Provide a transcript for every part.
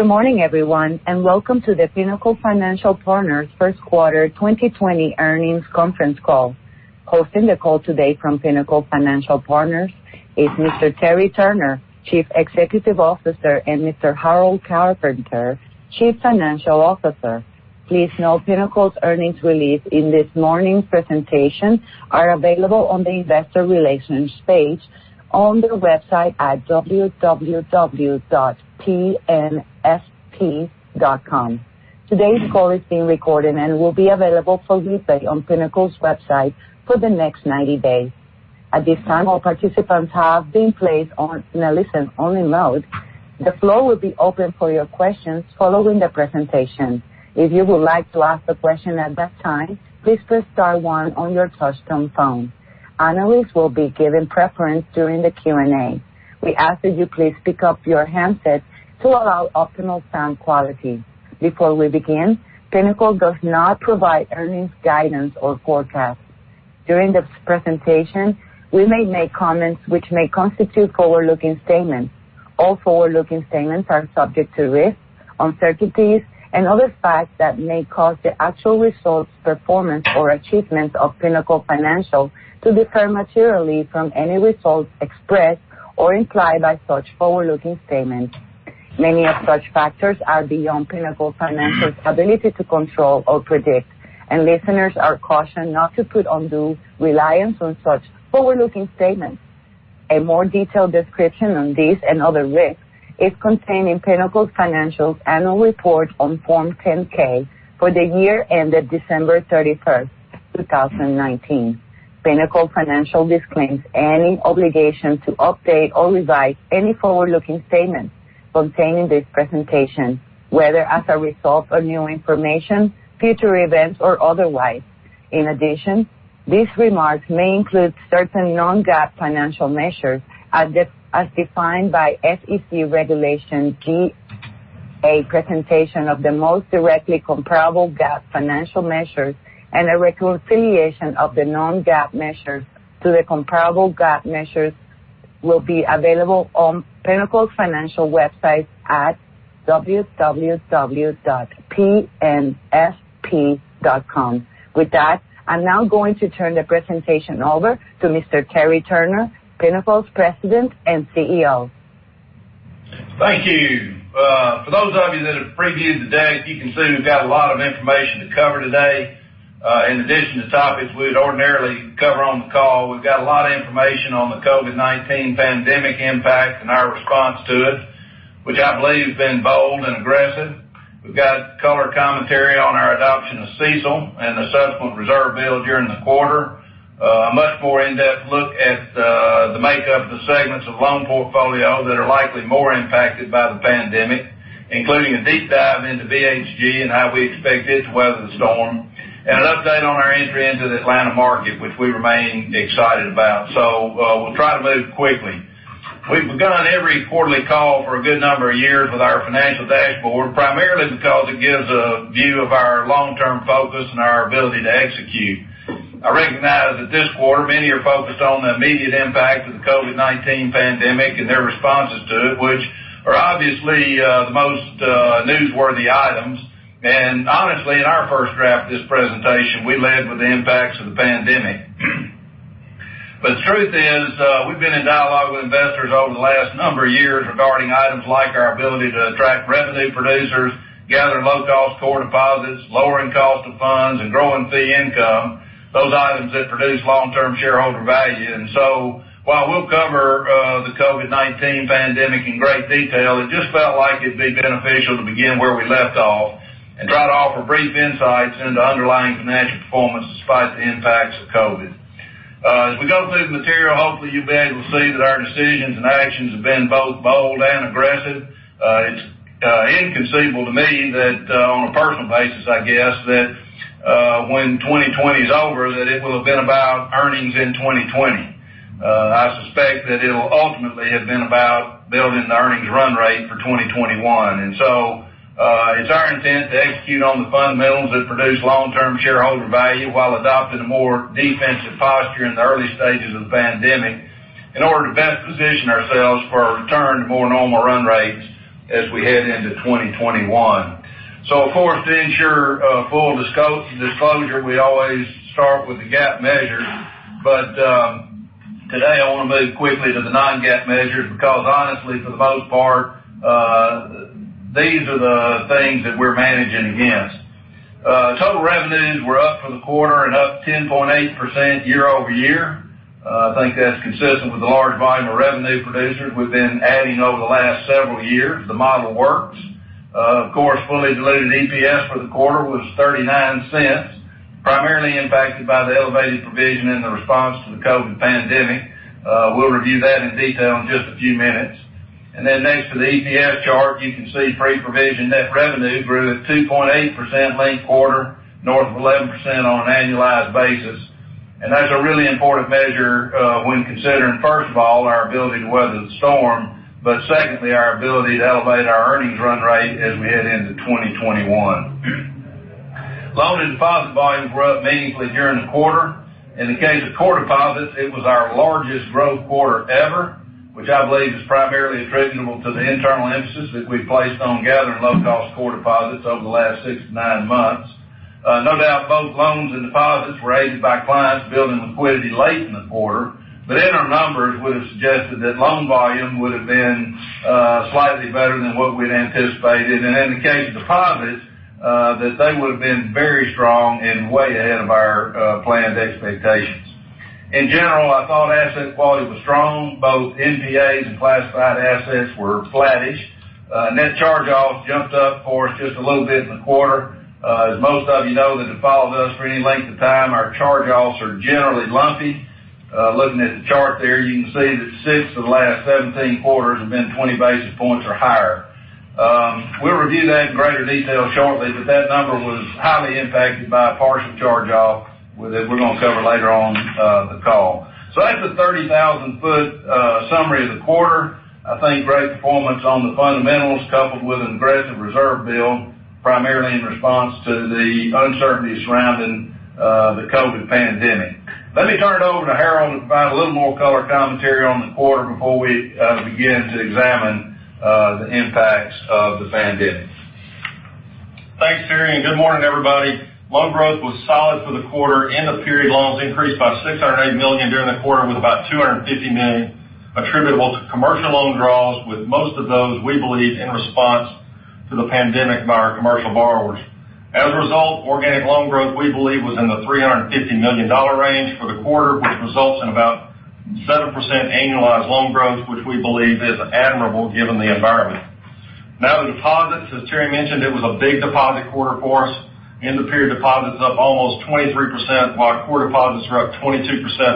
Good morning, everyone, and welcome to the Pinnacle Financial Partners first quarter 2020 earnings conference call. Hosting the call today from Pinnacle Financial Partners is Mr. Terry Turner, Chief Executive Officer, and Mr. Harold Carpenter, Chief Financial Officer. Please note Pinnacle's earnings release in this morning's presentation are available on the investor relations page on their website at www.pnfp.com. Today's call is being recorded and will be available for replay on Pinnacle's website for the next 90 days. At this time, all participants have been placed in a listen-only mode. The floor will be open for your questions following the presentation. If you would like to ask a question at that time, please press star one on your touchtone phone. Analysts will be given preference during the Q&A. We ask that you please pick up your handsets to allow optimal sound quality. Before we begin, Pinnacle does not provide earnings guidance or forecasts. During this presentation, we may make comments which may constitute forward-looking statements. All forward-looking statements are subject to risks, uncertainties, and other facts that may cause the actual results, performance, or achievements of Pinnacle Financial to differ materially from any results expressed or implied by such forward-looking statements. Many of such factors are beyond Pinnacle Financial's ability to control or predict, and listeners are cautioned not to put undue reliance on such forward-looking statements. A more detailed description on these and other risks is contained in Pinnacle Financial's annual report on Form 10-K for the year ended December 31st, 2019. Pinnacle Financial disclaims any obligation to update or revise any forward-looking statements contained in this presentation, whether as a result of new information, future events, or otherwise. In addition, these remarks may include certain non-GAAP financial measures as defined by SEC Regulation G. A presentation of the most directly comparable GAAP financial measures and a reconciliation of the non-GAAP measures to the comparable GAAP measures will be available on Pinnacle Financial website at www.pnfp.com. With that, I'm now going to turn the presentation over to Mr. Terry Turner, Pinnacle's President and CEO. Thank you. For those of you that have previewed today, as you can see, we've got a lot of information to cover today. In addition to topics we'd ordinarily cover on the call, we've got a lot of information on the COVID-19 pandemic impact and our response to it, which I believe has been bold and aggressive. We've got color commentary on our adoption of CECL and the subsequent reserve build during the quarter, a much more in-depth look at the makeup of the segments of loan portfolio that are likely more impacted by the pandemic, including a deep dive into BHG and how we expect it to weather the storm, and an update on our entry into the Atlanta market, which we remain excited about. We'll try to move quickly. We've begun every quarterly call for a good number of years with our financial dashboard, primarily because it gives a view of our long-term focus and our ability to execute. I recognize that this quarter, many are focused on the immediate impact of the COVID-19 pandemic and their responses to it, which are obviously the most newsworthy items. Honestly, in our first draft of this presentation, we led with the impacts of the pandemic. The truth is, we've been in dialogue with investors over the last number of years regarding items like our ability to attract revenue producers, gather low-cost core deposits, lowering cost of funds, and growing fee income, those items that produce long-term shareholder value. While we'll cover the COVID-19 pandemic in great detail, it just felt like it'd be beneficial to begin where we left off and try to offer brief insights into underlying financial performance despite the impacts of COVID. As we go through the material, hopefully, you'll be able to see that our decisions and actions have been both bold and aggressive. It's inconceivable to me that, on a personal basis, I guess, that when 2020 is over, that it will have been about earnings in 2020. I suspect that it'll ultimately have been about building the earnings run rate for 2021. It's our intent to execute on the fundamentals that produce long-term shareholder value while adopting a more defensive posture in the early stages of the pandemic in order to best position ourselves for a return to more normal run rates as we head into 2021. Of course, to ensure full disclosure, we always start with the GAAP measures. Today I want to move quickly to the non-GAAP measures because honestly, for the most part, these are the things that we're managing against. Total revenues were up for the quarter and up 10.8% year-over-year. I think that's consistent with the large volume of revenue producers we've been adding over the last several years. The model works. Of course, fully diluted EPS for the quarter was $0.39, primarily impacted by the elevated provision in the response to the COVID pandemic. We'll review that in detail in just a few minutes. Next to the EPS chart, you can see pre-provision net revenue grew 2.8% linked quarter, north of 11% on an annualized basis. That's a really important measure when considering, first of all, our ability to weather the storm, but secondly, our ability to elevate our earnings run rate as we head into 2021. Loan and deposit volumes were up meaningfully during the quarter. In the case of core deposits, it was our largest growth quarter ever, which I believe is primarily attributable to the internal emphasis that we've placed on gathering low-cost core deposits over the last six to nine months. No doubt both loans and deposits were aided by clients building liquidity late in the quarter. Inner numbers would have suggested that loan volume would have been slightly better than what we'd anticipated. In the case of deposits, that they would have been very strong and way ahead of our planned expectations. In general, I thought asset quality was strong. Both NPAs and classified assets were flattish. Net charge-offs jumped up for us just a little bit in the quarter. As most of you know that have followed us for any length of time, our charge-offs are generally lumpy. Looking at the chart there, you can see that six of the last 17 quarters have been 20 basis points or higher. We'll review that in greater detail shortly, but that number was highly impacted by a partial charge-off that we're going to cover later on the call. That's a 30,000-foot summary of the quarter. I think great performance on the fundamentals, coupled with an aggressive reserve build, primarily in response to the uncertainty surrounding the COVID-19 pandemic. Let me turn it over to Harold and provide a little more color commentary on the quarter before we begin to examine the impacts of the pandemic. Thanks, Terry, and good morning, everybody. Loan growth was solid for the quarter. End of period loans increased by $608 million during the quarter, with about $250 million attributable to commercial loan draws, with most of those, we believe, in response to the pandemic by our commercial borrowers. As a result, organic loan growth, we believe, was in the $350 million range for the quarter, which results in about 7% annualized loan growth, which we believe is admirable given the environment. Now, the deposits, as Terry mentioned, it was a big deposit quarter for us. End of period deposits up almost 23%, while core deposits were up 22%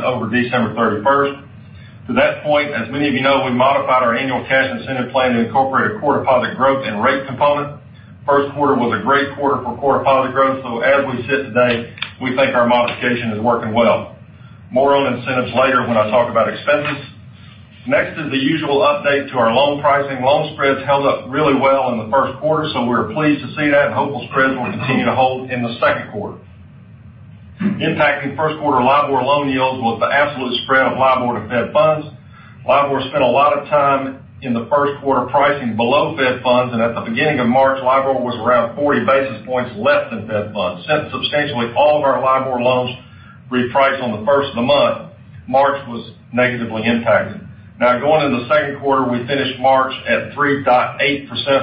over December 31st. To that point, as many of you know, we modified our annual cash incentive plan to incorporate a core deposit growth and rate component. First quarter was a great quarter for core deposit growth, as we sit today, we think our modification is working well. More on incentives later when I talk about expenses. Next is the usual update to our loan pricing. Loan spreads held up really well in the first quarter, we were pleased to see that and hopeful spreads will continue to hold in the second quarter. Impacting first quarter LIBOR loan yields was the absolute spread of LIBOR to Fed Funds. LIBOR spent a lot of time in the first quarter pricing below Fed Funds, at the beginning of March, LIBOR was around 40 basis points less than Fed Funds. Since substantially all of our LIBOR loans reprice on the first of the month, March was negatively impacted. Now, going into the second quarter, we finished March at 3.8%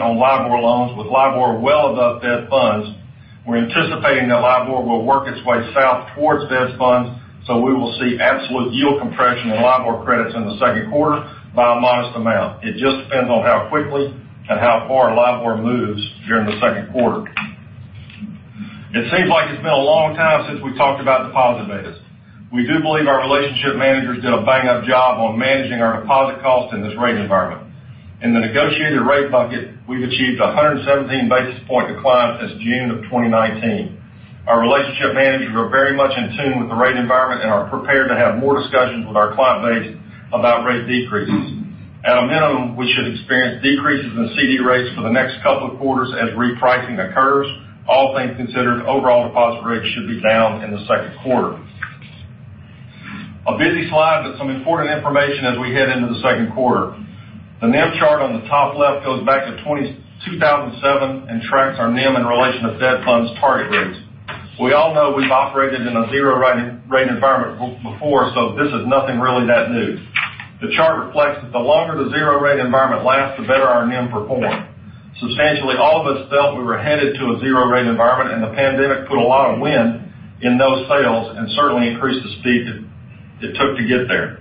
on LIBOR loans, with LIBOR well above Fed Funds. We're anticipating that LIBOR will work its way south towards Fed Funds, so we will see absolute yield compression on LIBOR credits in the second quarter by a modest amount. It just depends on how quickly and how far LIBOR moves during the second quarter. It seems like it's been a long time since we talked about deposit betas. We do believe our relationship managers did a bang-up job on managing our deposit cost in this rate environment. In the negotiated rate bucket, we've achieved 117 basis point declines since June of 2019. Our relationship managers are very much in tune with the rate environment and are prepared to have more discussions with our client base about rate decreases. At a minimum, we should experience decreases in CD rates for the next couple of quarters as repricing occurs. All things considered, overall deposit rates should be down in the second quarter. A busy slide, some important information as we head into the second quarter. The NIM chart on the top left goes back to 2007 and tracks our NIM in relation to Fed Funds target rates. We all know we've operated in a zero rate environment before, this is nothing really that new. The chart reflects that the longer the zero rate environment lasts, the better our NIM perform. Substantially all of us felt we were headed to a zero rate environment, and the pandemic put a lot of wind in those sails and certainly increased the speed it took to get there.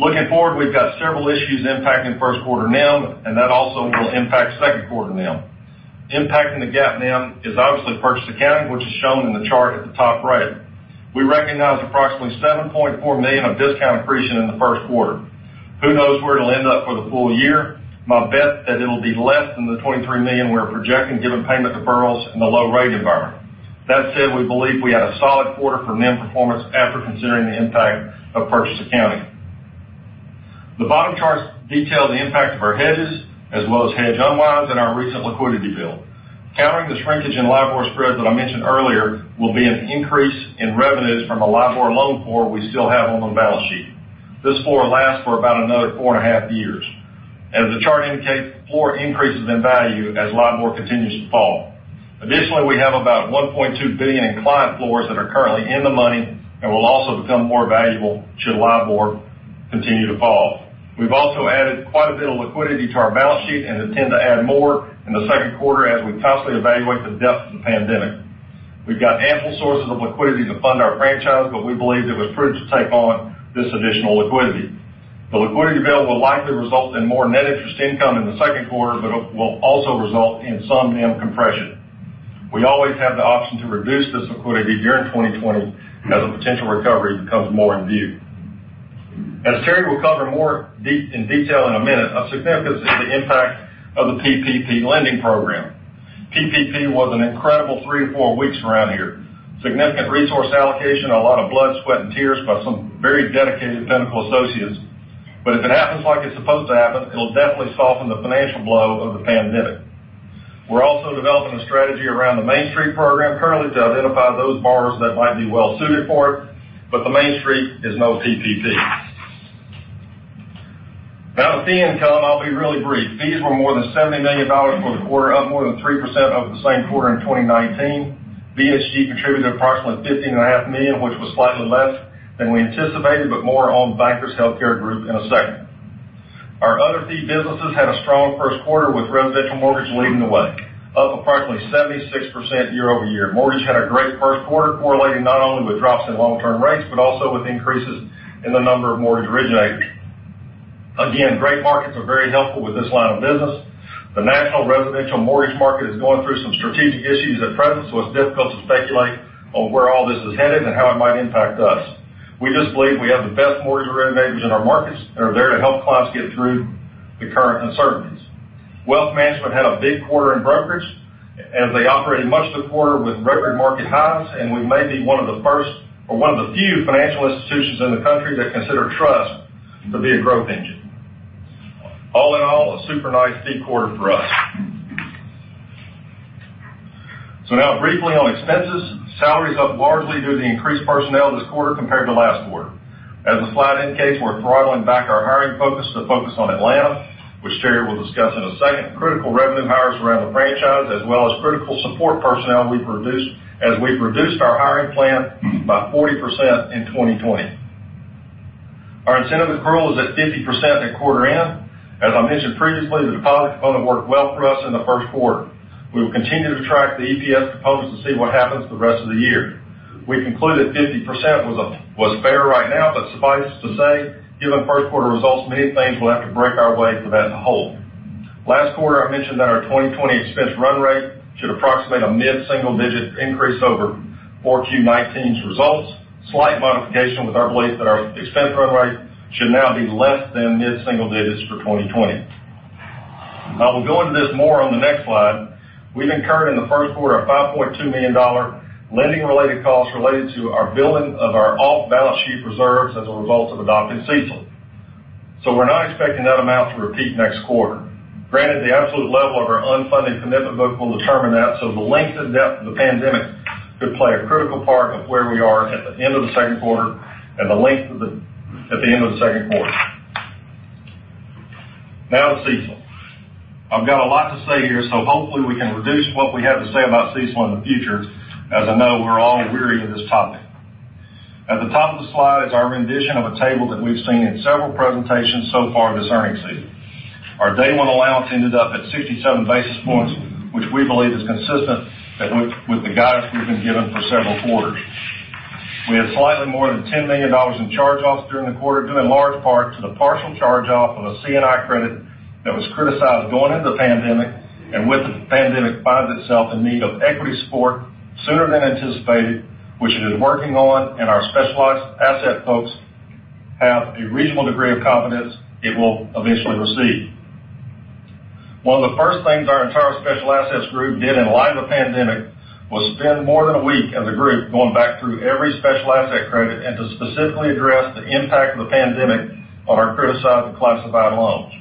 Looking forward, we've got several issues impacting first quarter NIM, and that also will impact second quarter NIM. Impacting the GAAP NIM is obviously purchase accounting, which is shown in the chart at the top right. We recognized approximately $7.4 million of discount accretion in the first quarter. Who knows where it'll end up for the full year. My bet that it'll be less than the $23 million we're projecting given payment deferrals and the low rate environment. That said, we believe we had a solid quarter for NIM performance after considering the impact of purchase accounting. The bottom charts detail the impact of our hedges as well as hedge unwinds and our recent liquidity build. Countering the shrinkage in LIBOR spreads that I mentioned earlier will be an increase in revenues from a LIBOR loan floor we still have on the balance sheet. This floor lasts for about another four and a half years. As the chart indicates, the floor increases in value as LIBOR continues to fall. Additionally, we have about $1.2 billion in client floors that are currently in the money and will also become more valuable should LIBOR continue to fall. We've also added quite a bit of liquidity to our balance sheet and intend to add more in the second quarter as we carefully evaluate the depth of the pandemic. We've got ample sources of liquidity to fund our franchise, but we believe it was prudent to take on this additional liquidity. The liquidity build will likely result in more net interest income in the second quarter, but it will also result in some NIM compression. We always have the option to reduce this liquidity during 2020 as a potential recovery becomes more in view. As Terry will cover more in detail in a minute, of significance is the impact of the PPP lending Program. PPP was an incredible three to four weeks around here. Significant resource allocation, a lot of blood, sweat, and tears by some very dedicated Pinnacle associates. If it happens like it's supposed to happen, it'll definitely soften the financial blow of the pandemic. We're also developing a strategy around the Main Street Lending Program currently to identify those borrowers that might be well suited for it, but the Main Street is no PPP. Now to fee income, I'll be really brief. Fees were more than $70 million for the quarter, up more than 3% over the same quarter in 2019. BHG contributed approximately $15.5 million, which was slightly less than we anticipated, but more on Bankers Healthcare Group in a second. Our other fee businesses had a strong first quarter with residential mortgage leading the way, up approximately 76% year-over-year. Mortgage had a great first quarter correlating not only with drops in long-term rates, but also with increases in the number of mortgage originators. Again, great markets are very helpful with this line of business. The national residential mortgage market is going through some strategic issues at present, so it's difficult to speculate on where all this is headed and how it might impact us. We just believe we have the best mortgage originators in our markets that are there to help clients get through the current uncertainties. Wealth management had a big quarter in brokerage as they operated much of the quarter with record market highs. We may be one of the first or one of the few financial institutions in the country that consider trust to be a growth engine. All in all, a super nice fee quarter for us. Now briefly on expenses, salaries up largely due to the increased personnel this quarter compared to last quarter. As a flat end case, we're throttling back our hiring focus to focus on Atlanta, which Terry will discuss in a second. Critical revenue hires around the franchise as well as critical support personnel as we've reduced our hiring plan by 40% in 2020. Our incentive accrual is at 50% at quarter end. As I mentioned previously, the deposit component worked well for us in the first quarter. We will continue to track the EPS components to see what happens the rest of the year. We concluded 50% was fair right now. Suffice to say, given first quarter results, many things will have to break our way for that to hold. Last quarter, I mentioned that our 2020 expense run rate should approximate a mid-single digit increase over 4Q19's results. Slight modification with our belief that our expense run rate should now be less than mid-single digits for 2020. I will go into this more on the next slide. We've incurred in the first quarter a $5.2 million lending related cost related to our building of our off-balance sheet reserves as a result of adopting CECL. We're not expecting that amount to repeat next quarter. Granted, the absolute level of our unfunded commitment book will determine that. The length and depth of the pandemic could play a critical part of where we are at the end of the second quarter and the length at the end of the second quarter. Now to CECL. I've got a lot to say here. Hopefully, we can reduce what we have to say about CECL in the future, as I know we're all weary of this topic. At the top of the slide is our rendition of a table that we've seen in several presentations so far this earnings season. Our day one allowance ended up at 67 basis points, which we believe is consistent with the guidance we've been given for several quarters. We had slightly more than $10 million in charge-offs during the quarter, due in large part to the partial charge-off of a C&I credit that was criticized going into the pandemic, and with the pandemic, finds itself in need of equity support sooner than anticipated, which it is working on, and our specialized asset folks have a reasonable degree of confidence it will eventually receive. One of the first things our entire special assets group did in light of the pandemic was spend more than a week as a group going back through every special asset credit and to specifically address the impact of the pandemic on our criticized and classified loans.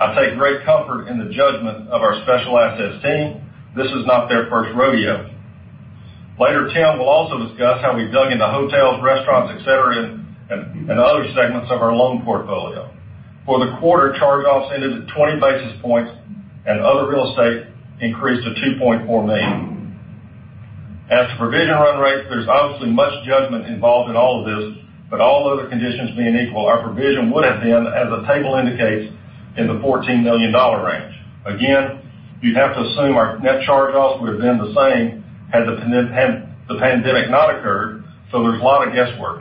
I take great comfort in the judgment of our special assets team. This is not their first rodeo. Later, Tim will also discuss how we dug into hotels, restaurants, et cetera, and other segments of our loan portfolio. For the quarter, charge-offs ended at 20 basis points, and other real estate increased to $2.4 million. As for provision run rates, there's obviously much judgment involved in all of this, but all other conditions being equal, our provision would have been, as the table indicates, in the $14 million range. Again, you'd have to assume our net charge-offs would have been the same had the pandemic not occurred, so there's a lot of guesswork.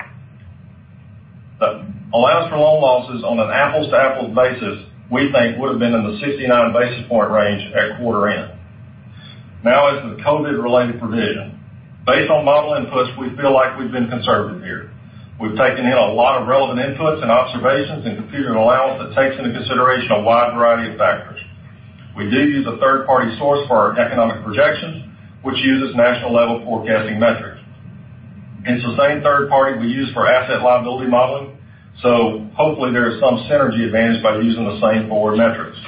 The allowance for loan losses on an apples-to-apples basis, we think would have been in the 69 basis point range at quarter end. Now as to the COVID related provision. Based on model inputs, we feel like we've been conservative here. We've taken in a lot of relevant inputs and observations and computed an allowance that takes into consideration a wide variety of factors. We do use a third-party source for our economic projections, which uses national level forecasting metrics. It's the same third party we use for asset liability modeling. Hopefully there is some synergy advantage by using the same forward metrics.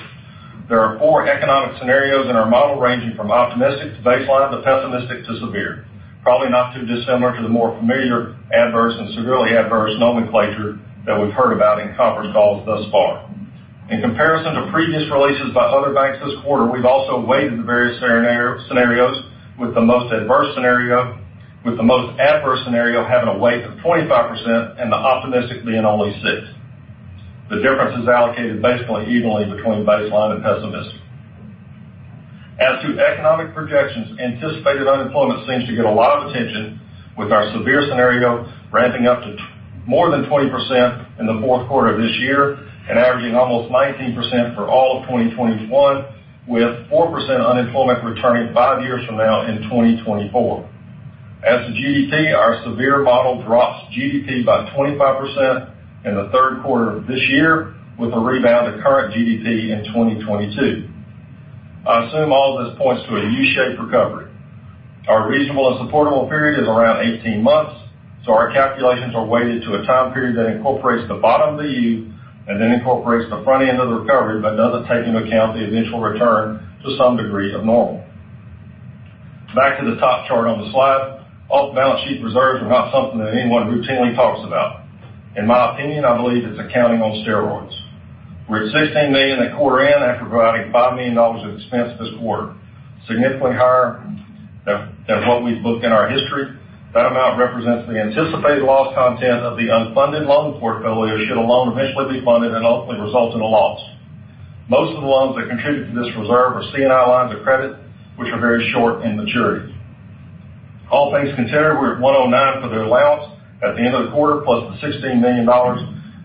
There are four economic scenarios in our model ranging from optimistic to baseline to pessimistic to severe. Probably not too dissimilar to the more familiar adverse and severely adverse nomenclature that we've heard about in conference calls thus far. In comparison to previous releases by other banks this quarter, we've also weighted the various scenarios with the most adverse scenario having a weight of 25% and the optimistic being only six. The difference is allocated basically evenly between baseline and pessimistic. As to economic projections, anticipated unemployment seems to get a lot of attention with our severe scenario ramping up to more than 20% in the fourth quarter of this year and averaging almost 19% for all of 2021, with 4% unemployment returning five years from now in 2024. As to GDP, our severe model drops GDP by 25% in the third quarter of this year with a rebound to current GDP in 2022. I assume all this points to a U-shaped recovery. Our reasonable and supportable period is around 18 months, so our calculations are weighted to a time period that incorporates the bottom of the U and then incorporates the front end of the recovery, but doesn't take into account the eventual return to some degree of normal. Back to the top chart on the slide, off-balance sheet reserves are not something that anyone routinely talks about. In my opinion, I believe it's accounting on steroids. We're at $16 million a quarter end after providing $5 million of expense this quarter, significantly higher than what we've booked in our history. That amount represents the anticipated loss content of the unfunded loan portfolio should a loan eventually be funded and ultimately result in a loss. Most of the loans that contribute to this reserve are C&I lines of credit, which are very short in maturity. All things considered, we're at 109 basis points for the allowance at the end of the quarter, plus the $16 million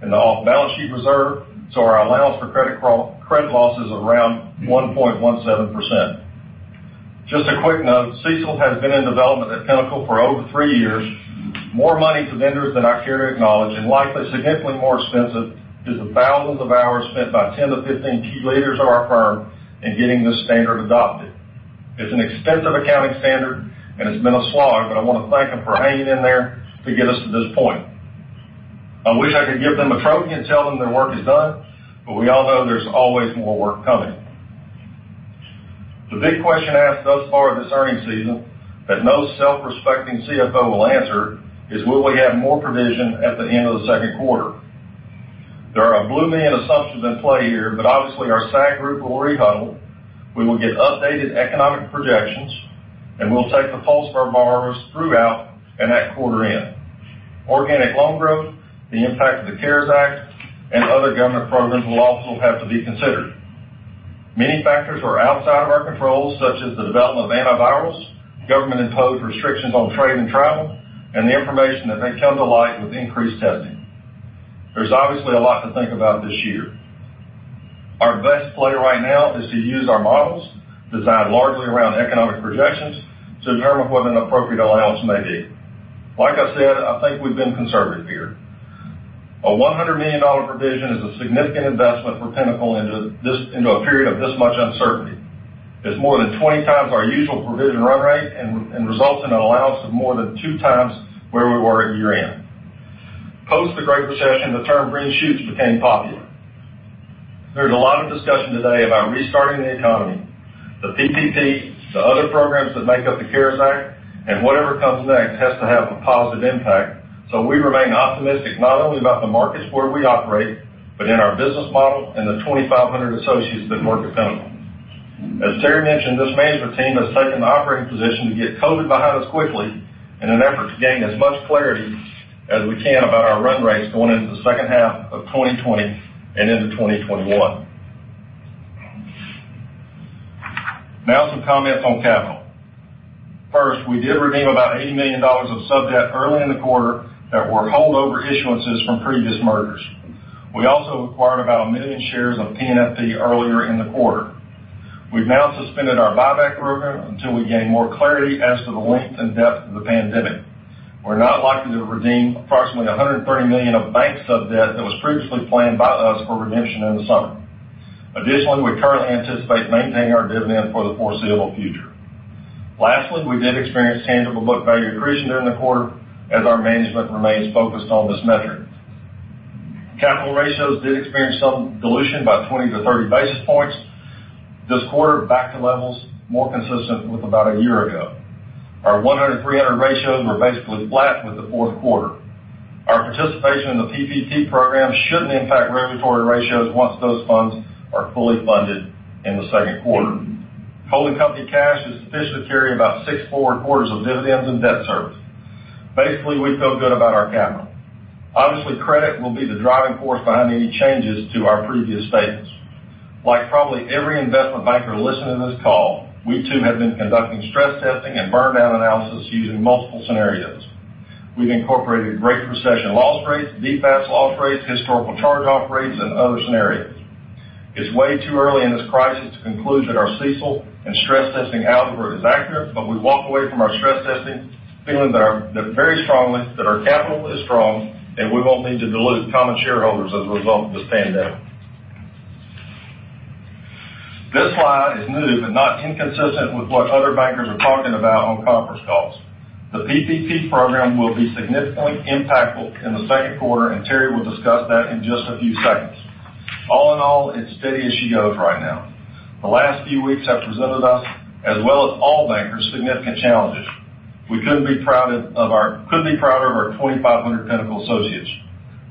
in the off-balance sheet reserve, so our allowance for credit losses is around 1.17%. Just a quick note, CECL has been in development at Pinnacle for over three years. More money to vendors than I care to acknowledge and likely significantly more expensive is the thousands of hours spent by 10 to 15 key leaders of our firm in getting this standard adopted. It's an extensive accounting standard, and it's been a slog, but I want to thank them for hanging in there to get us to this point. I wish I could give them a trophy and tell them their work is done, but we all know there's always more work coming. The big question asked thus far this earning season that no self-respecting CFO will answer is will we have more provision at the end of the second quarter? Obviously our SAC group will rehuddle, we will get updated economic projections, and we'll take the pulse of our borrowers throughout and at quarter end. Organic loan growth, the impact of the CARES Act, and other government programs will also have to be considered. Many factors are outside of our control, such as the development of antivirals, government-imposed restrictions on trade and travel, and the information that may come to light with increased testing. There's obviously a lot to think about this year. Our best play right now is to use our models, designed largely around economic projections, to determine what an appropriate allowance may be. Like I said, I think we've been conservative here. A $100 million provision is a significant investment for Pinnacle into a period of this much uncertainty. It's more than 20x our usual provision run rate and results in an allowance of more than 2x where we were at year-end. Post the Great Recession, the term green shoots became popular. There's a lot of discussion today about restarting the economy. The PPP, the other programs that make up the CARES Act, whatever comes next has to have a positive impact. We remain optimistic not only about the markets where we operate, but in our business model and the 2,500 associates that work at Pinnacle. As Terry mentioned, this management team has taken the operating position to get COVID behind us quickly in an effort to gain as much clarity as we can about our run rates going into the second half of 2020 and into 2021. Some comments on capital. First, we did redeem about $80 million of sub-debt early in the quarter that were holdover issuances from previous mergers. We also acquired about 1 million shares of PNFP earlier in the quarter. We've now suspended our buyback program until we gain more clarity as to the length and depth of the pandemic. We're not likely to redeem approximately $130 million of bank sub-debt that was previously planned by us for redemption in the summer. We currently anticipate maintaining our dividend for the foreseeable future. We did experience tangible book value accretion during the quarter as our management remains focused on this metric. Capital ratios did experience some dilution by 20-30 basis points this quarter back to levels more consistent with about a year ago. Our 100/300 ratios were basically flat with the fourth quarter. Our participation in the PPP program shouldn't impact regulatory ratios once those funds are fully funded in the second quarter. Holding company cash is sufficient to carry about six forward quarters of dividends and debt service. We feel good about our capital. Obviously, credit will be the driving force behind any changes to our previous statements. Like probably every investment banker listening to this call, we too have been conducting stress testing and burn-down analysis using multiple scenarios. We've incorporated Great Recession loss rates, CECL's loss rates, historical charge-off rates, and other scenarios. It's way too early in this crisis to conclude that our CECL and stress testing algebra is accurate, but we walk away from our stress testing feeling very strongly that our capital is strong, and we won't need to dilute common shareholders as a result of this pandemic. This slide is new but not inconsistent with what other bankers are talking about on conference calls. The PPP program will be significantly impactful in the second quarter, and Terry will discuss that in just a few seconds. All in all, it's steady as she goes right now. The last few weeks have presented us, as well as all bankers, significant challenges. We couldn't be prouder of our 2,500 Pinnacle associates.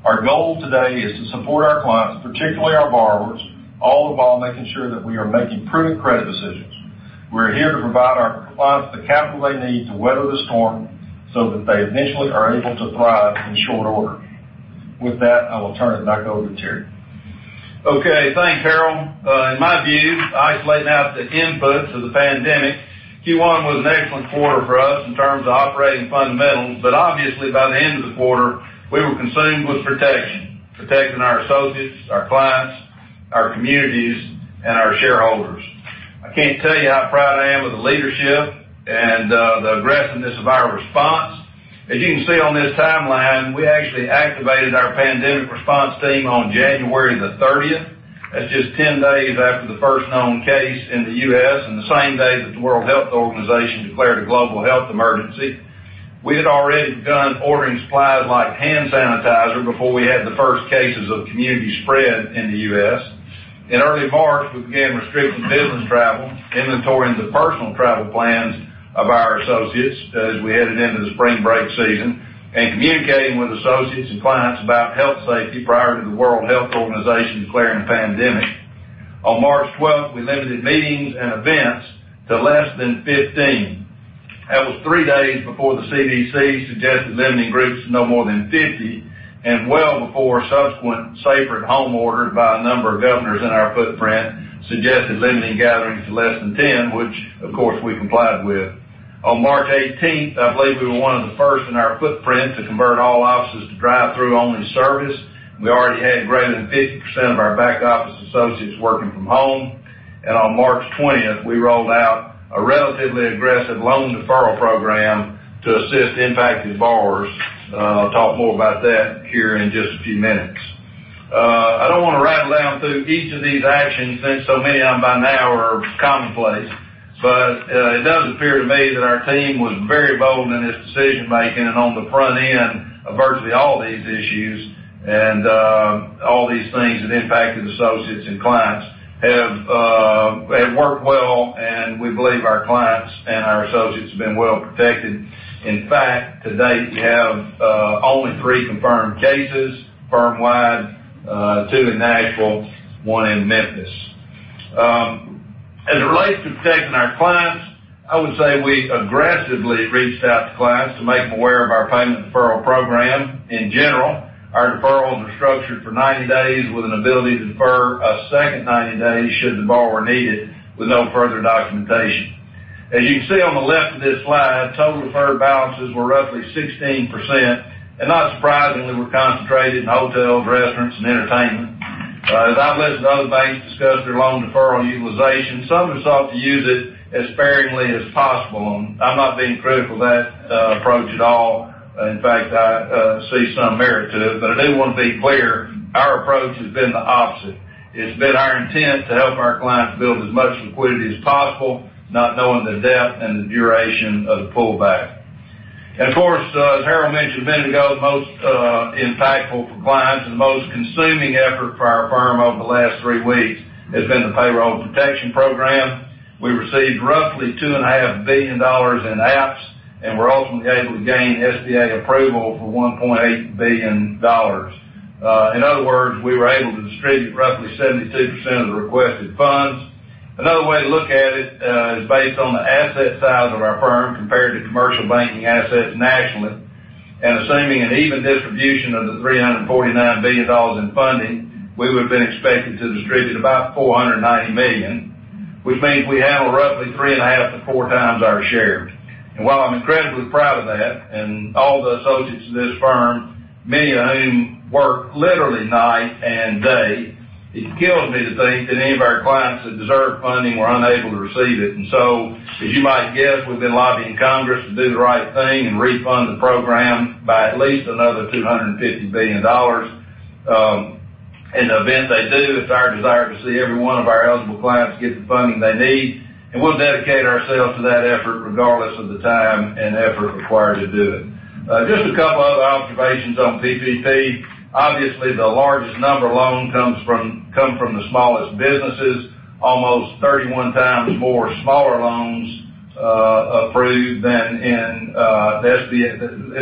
Our goal today is to support our clients, particularly our borrowers, all the while making sure that we are making prudent credit decisions. We are here to provide our clients the capital they need to weather the storm so that they eventually are able to thrive in short order. With that, I will turn it back over to Terry. Okay, thanks, Harold. In my view, isolating out the inputs of the pandemic, Q1 was an excellent quarter for us in terms of operating fundamentals, but obviously by the end of the quarter, we were consumed with protection, protecting our associates, our clients, our communities, and our shareholders. I can't tell you how proud I am of the leadership and the aggressiveness of our response. As you can see on this timeline, we actually activated our pandemic response team on January the 30th. That's just 10 days after the first known case in the U.S., and the same day that the World Health Organization declared a global health emergency. We had already begun ordering supplies like hand sanitizer before we had the first cases of community spread in the U.S. In early March, we began restricting business travel, inventorying the personal travel plans of our associates as we headed into the spring break season, and communicating with associates and clients about health safety prior to the World Health Organization declaring a pandemic. On March 12th, we limited meetings and events to less than 15. That was three days before the CDC suggested limiting groups to no more than 50, and well before subsequent safer at home orders by a number of governors in our footprint suggested limiting gatherings to less than 10, which of course, we complied with. On March 18th, I believe we were one of the first in our footprint to convert all offices to drive-through only service. We already had greater than 50% of our back office associates working from home. On March 20th, we rolled out a relatively aggressive loan deferral program to assist impacted borrowers. I'll talk more about that here in just a few minutes. I don't want to rattle down through each of these actions since so many of them by now are commonplace, but it does appear to me that our team was very bold in its decision-making and on the front end of virtually all these issues. All these things that impacted associates and clients have worked well, and we believe our clients and our associates have been well protected. In fact, to date, we have only three confirmed cases firm-wide, two in Nashville, one in Memphis. As it relates to protecting our clients, I would say we aggressively reached out to clients to make them aware of our payment deferral program. In general, our deferrals are structured for 90 days with an ability to defer a second 90 days should the borrower need it, with no further documentation. As you can see on the left of this slide, total deferred balances were roughly 16%, and not surprisingly, were concentrated in hotels, restaurants, and entertainment. As I've listened to other banks discuss their loan deferral utilization, some have sought to use it as sparingly as possible, and I'm not being critical of that approach at all. In fact, I see some merit to it. I do want to be clear, our approach has been the opposite. It's been our intent to help our clients build as much liquidity as possible, not knowing the depth and the duration of the pullback. Of course, as Harold mentioned a minute ago, the most impactful for clients and the most consuming effort for our firm over the last three weeks has been the Paycheck Protection Program. We received roughly $2.5 billion in apps, were ultimately able to gain SBA approval for $1.8 billion. In other words, we were able to distribute roughly 72% of the requested funds. Another way to look at it is based on the asset size of our firm compared to commercial banking assets nationally. Assuming an even distribution of the $349 billion in funding, we would have been expected to distribute about $490 million, which means we handled roughly 3.5x-4x our shares. While I'm incredibly proud of that and all the associates of this firm, many of whom worked literally night and day, it kills me to think that any of our clients that deserved funding were unable to receive it. As you might guess, we've been lobbying Congress to do the right thing and refund the program by at least another $250 billion. In the event they do, it's our desire to see every one of our eligible clients get the funding they need, and we'll dedicate ourselves to that effort regardless of the time and effort required to do it. Just a couple other observations on PPP. Obviously, the largest number of loans come from the smallest businesses, almost 31x more smaller loans approved. In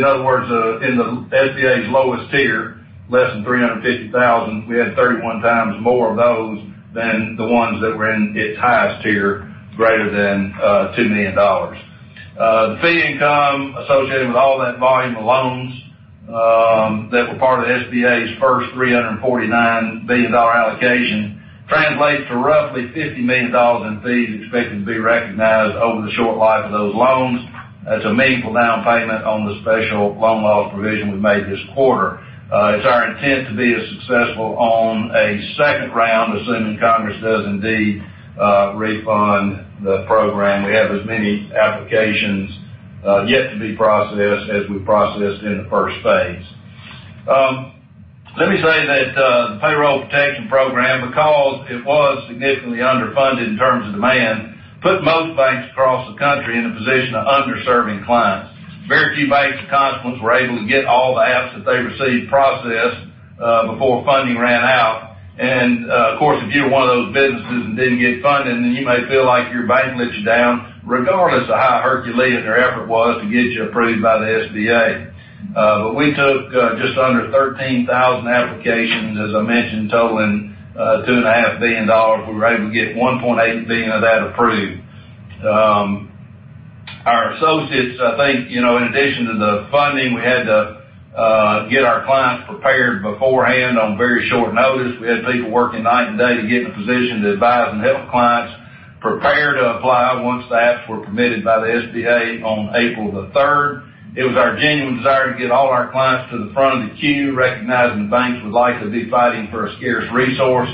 other words, in the SBA's lowest tier, less than $350,000, we had 31 times more of those than the ones that were in its highest tier, greater than $2 million. The fee income associated with all that volume of loans that were part of the SBA's first $349 billion allocation translates to roughly $50 million in fees expected to be recognized over the short life of those loans. That's a meaningful down payment on the special loan loss provision we made this quarter. It's our intent to be as successful on a second round, assuming Congress does indeed refund the program. We have as many applications yet to be processed as we processed in the first phase. Let me say that Paycheck Protection Program, because it was significantly underfunded in terms of demand, put most banks across the country in a position of underserving clients. Very few banks and constituents were able to get all the apps that they received processed before funding ran out. Of course, if you're one of those businesses that didn't get funding, then you may feel like your bank let you down regardless of how Herculean their effort was to get you approved by the SBA. We took just under 13,000 applications, as I mentioned, totaling $2.5 billion. We were able to get $1.8 billion of that approved. Our associates, I think, in addition to the funding, we had to get our clients prepared beforehand on very short notice. We had people working night and day to get in a position to advise and help clients prepare to apply once the apps were permitted by the SBA on April the 3rd. It was our genuine desire to get all our clients to the front of the queue, recognizing the banks would likely be fighting for a scarce resource.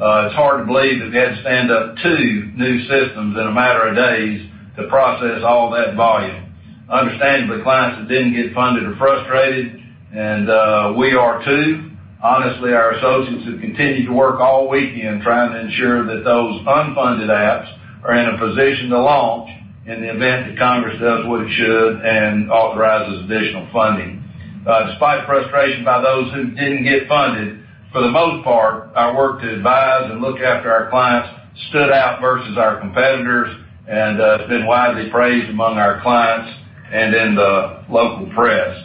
It's hard to believe that we had to stand up two new systems in a matter of days to process all that volume. Understandably, clients that didn't get funded are frustrated, and we are too. Honestly, our associates have continued to work all weekend trying to ensure that those unfunded apps are in a position to launch in the event that Congress does what it should and authorizes additional funding. Despite frustration by those who didn't get funded, for the most part, our work to advise and look after our clients stood out versus our competitors, and it's been widely praised among our clients and in the local press.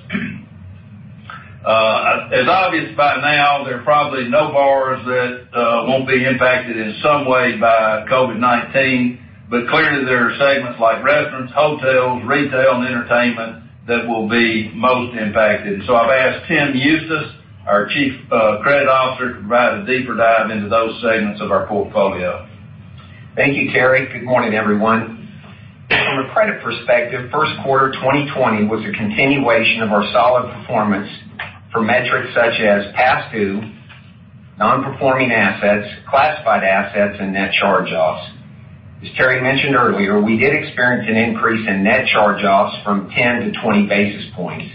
It's obvious by now there are probably no borrowers that won't be impacted in some way by COVID-19, but clearly there are segments like restaurants, hotels, retail, and entertainment that will be most impacted. I've asked Tim Huestis, our Chief Credit Officer, to provide a deeper dive into those segments of our portfolio. Thank you, Terry. Good morning, everyone. From a credit perspective, first quarter 2020 was a continuation of our solid performance for metrics such as past due, non-performing assets, classified assets, and net charge-offs. As Terry mentioned earlier, we did experience an increase in net charge-offs from 10-20 basis points.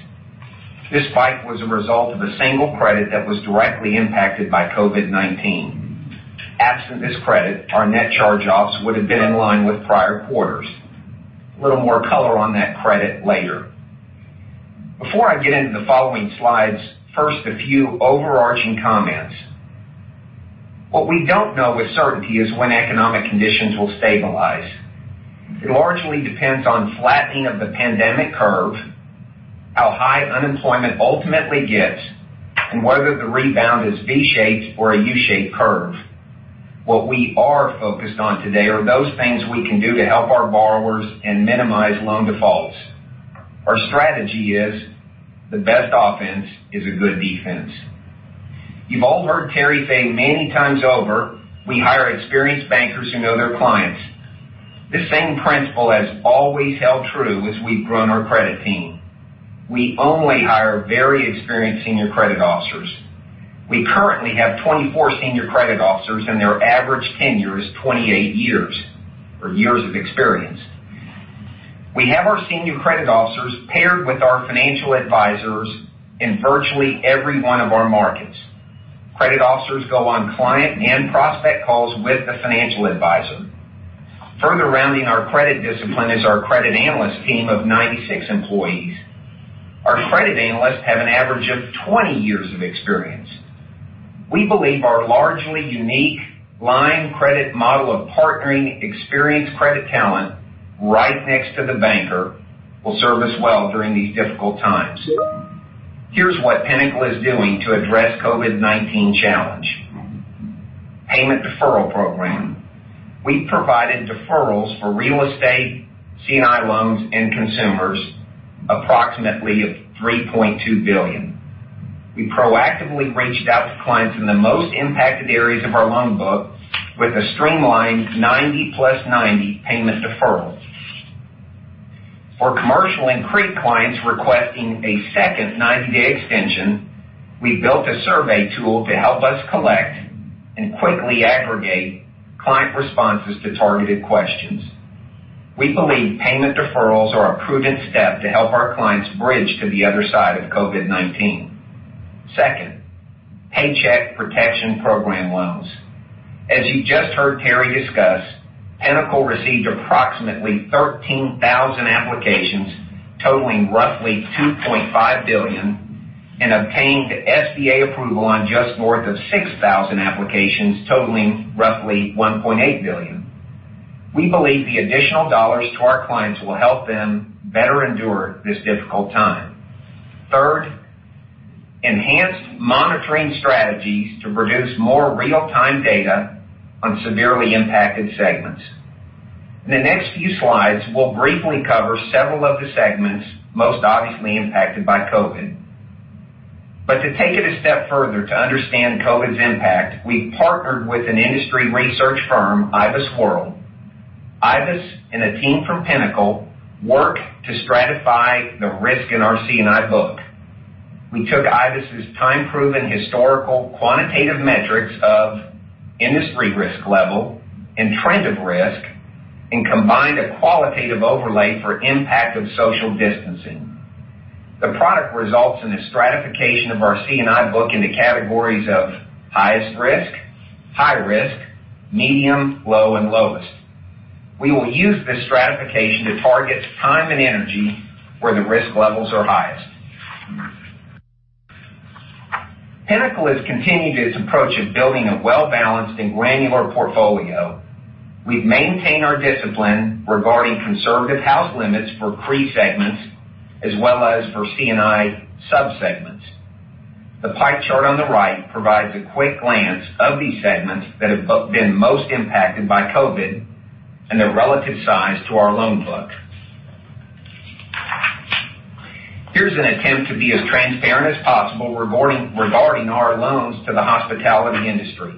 This spike was a result of a single credit that was directly impacted by COVID-19. Absent this credit, our net charge-offs would have been in line with prior quarters. A little more color on that credit later. Before I get into the following slides, first, a few overarching comments. What we don't know with certainty is when economic conditions will stabilize. It largely depends on flattening of the pandemic curve, how high unemployment ultimately gets, and whether the rebound is V-shaped or a U-shaped curve. What we are focused on today are those things we can do to help our borrowers and minimize loan defaults. Our strategy is the best offense is a good defense. You've all heard Terry say many times over, we hire experienced bankers who know their clients. This same principle has always held true as we've grown our credit team. We only hire very experienced senior credit officers. We currently have 24 senior credit officers, and their average tenure is 28 years, or years of experience. We have our senior credit officers paired with our financial advisors in virtually every one of our markets. Credit officers go on client and prospect calls with the financial advisor. Further rounding our credit discipline is our credit analyst team of 96 employees. Our credit analysts have an average of 20 years of experience. We believe our largely unique line credit model of partnering experienced credit talent right next to the banker will serve us well during these difficult times. Here's what Pinnacle is doing to address COVID-19 challenge. Payment deferral program. We've provided deferrals for real estate, C&I loans, and consumers approximately of $3.2 billion. We proactively reached out to clients in the most impacted areas of our loan book with a streamlined 90 plus 90 payment deferral. For commercial and CRE clients requesting a second 90-day extension, we built a survey tool to help us collect and quickly aggregate client responses to targeted questions. We believe payment deferrals are a prudent step to help our clients bridge to the other side of COVID-19. Second, Paycheck Protection Program loans. As you just heard Terry discuss, Pinnacle received approximately 13,000 applications totaling roughly $2.5 billion and obtained SBA approval on just north of 6,000 applications totaling roughly $1.8 billion. We believe the additional dollars to our clients will help them better endure this difficult time. Third, enhanced monitoring strategies to produce more real-time data on severely impacted segments. In the next few slides, we'll briefly cover several of the segments most obviously impacted by COVID-19. To take it a step further to understand COVID-19's impact, we partnered with an industry research firm, IBISWorld. IBIS and a team from Pinnacle work to stratify the risk in our C&I book. We took IBIS's time-proven historical quantitative metrics of industry risk level and trend of risk, and combined a qualitative overlay for impact of social distancing. The product results in a stratification of our C&I book into categories of highest risk, high risk, medium, low, and lowest. We will use this stratification to target time and energy where the risk levels are highest. Pinnacle has continued its approach of building a well-balanced and granular portfolio. We've maintained our discipline regarding conservative house limits for CRE segments, as well as for C&I sub-segments. The pie chart on the right provides a quick glance of these segments that have been most impacted by COVID-19 and their relative size to our loan book. Here's an attempt to be as transparent as possible regarding our loans to the hospitality industry.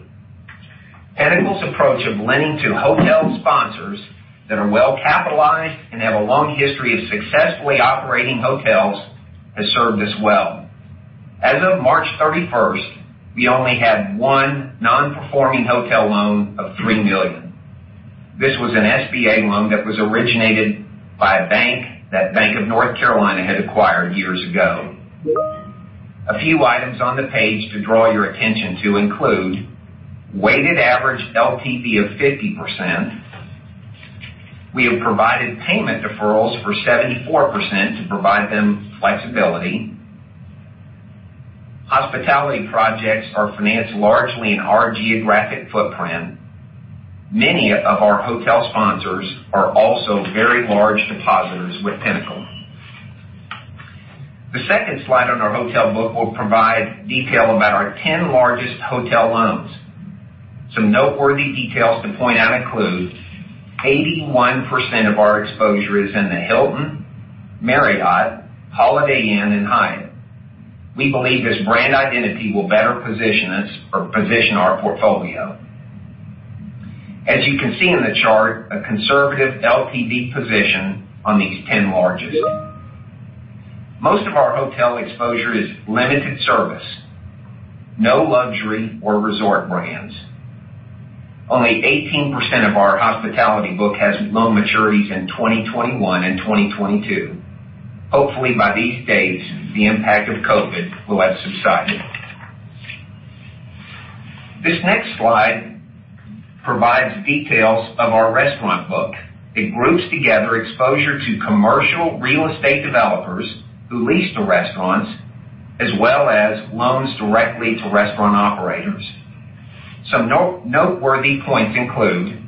Pinnacle's approach of lending to hotel sponsors that are well-capitalized and have a long history of successfully operating hotels has served us well. As of March 31st, we only had one non-performing hotel loan of $3 million. This was an SBA loan that was originated by a bank that Bank of North Carolina had acquired years ago. A few items on the page to draw your attention to include, weighted average LTV of 50%. We have provided payment deferrals for 74% to provide them flexibility. Hospitality projects are financed largely in our geographic footprint. Many of our hotel sponsors are also very large depositors with Pinnacle. The second slide on our hotel book will provide detail about our 10 largest hotel loans. Some noteworthy details to point out include, 81% of our exposure is in the Hilton, Marriott, Holiday Inn, and Hyatt. We believe this brand identity will better position our portfolio. As you can see in the chart, a conservative LTV position on these 10 largest. Most of our hotel exposure is limited service, no luxury or resort brands. Only 18% of our hospitality book has loan maturities in 2021 and 2022. Hopefully by these dates, the impact of COVID-19 will have subsided. This next slide provides details of our restaurant book. It groups together exposure to commercial real estate developers who lease to restaurants, as well as loans directly to restaurant operators. Some noteworthy points include,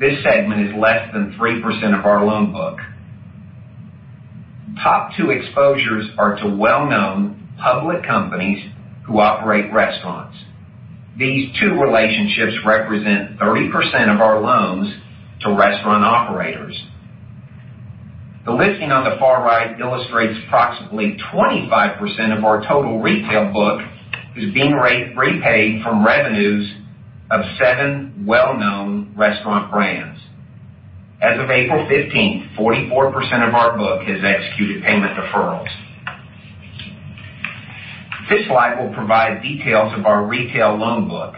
this segment is less than 3% of our loan book. Top two exposures are to well-known public companies who operate restaurants. These two relationships represent 30% of our loans to restaurant operators. The listing on the far right illustrates approximately 25% of our total retail book is being repaid from revenues of seven well-known restaurant brands. As of April 15th, 44% of our book has executed payment deferrals. This slide will provide details of our retail loan book.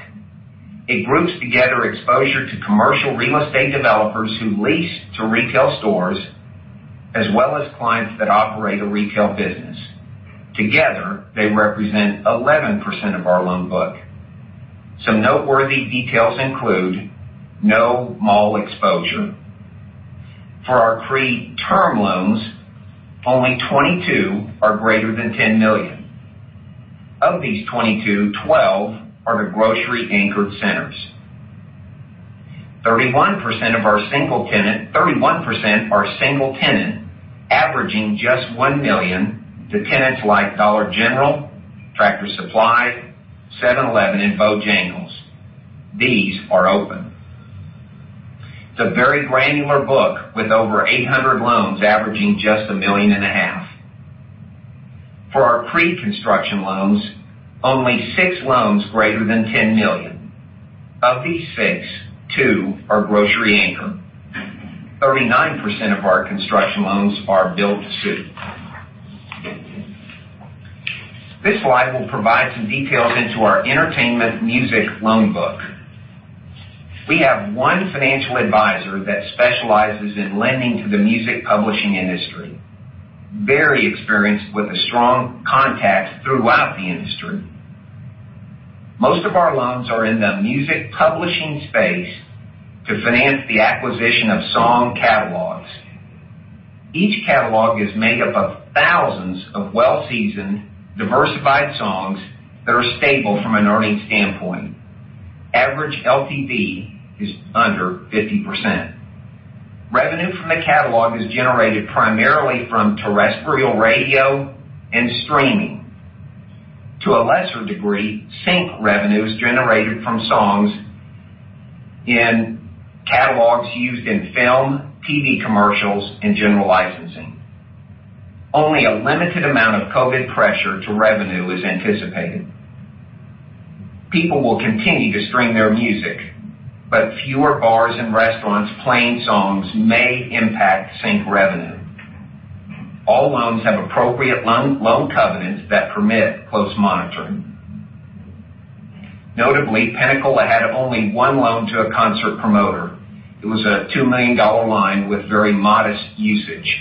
It groups together exposure to commercial real estate developers who lease to retail stores, as well as clients that operate a retail business. Together, they represent 11% of our loan book. Some noteworthy details include, no mall exposure. For our pre-term loans, only 22 are greater than $10 million. Of these 22, 12 are to grocery anchored centers. 31% are single tenant, averaging just $1 million to tenants like Dollar General, Tractor Supply, 7-Eleven, and Bojangles. These are open. It's a very granular book with over 800 loans averaging just $1.5 million. For our pre-construction loans, only six loans greater than $10 million. Of these six, two are grocery anchor. 39% of our construction loans are build-to-suit. This slide will provide some details into our entertainment music loan book. We have one financial advisor that specializes in lending to the music publishing industry. Very experienced with strong contacts throughout the industry. Most of our loans are in the music publishing space to finance the acquisition of song catalogs. Each catalog is made up of thousands of well-seasoned, diversified songs that are stable from an earnings standpoint. Average LTV is under 50%. Revenue from the catalog is generated primarily from terrestrial radio and streaming. To a lesser degree, sync revenue is generated from songs in catalogs used in film, TV commercials, and general licensing. Only a limited amount of COVID pressure to revenue is anticipated. People will continue to stream their music, but fewer bars and restaurants playing songs may impact sync revenue. All loans have appropriate loan covenants that permit close monitoring. Notably, Pinnacle had only one loan to a concert promoter. It was a $2 million line with very modest usage.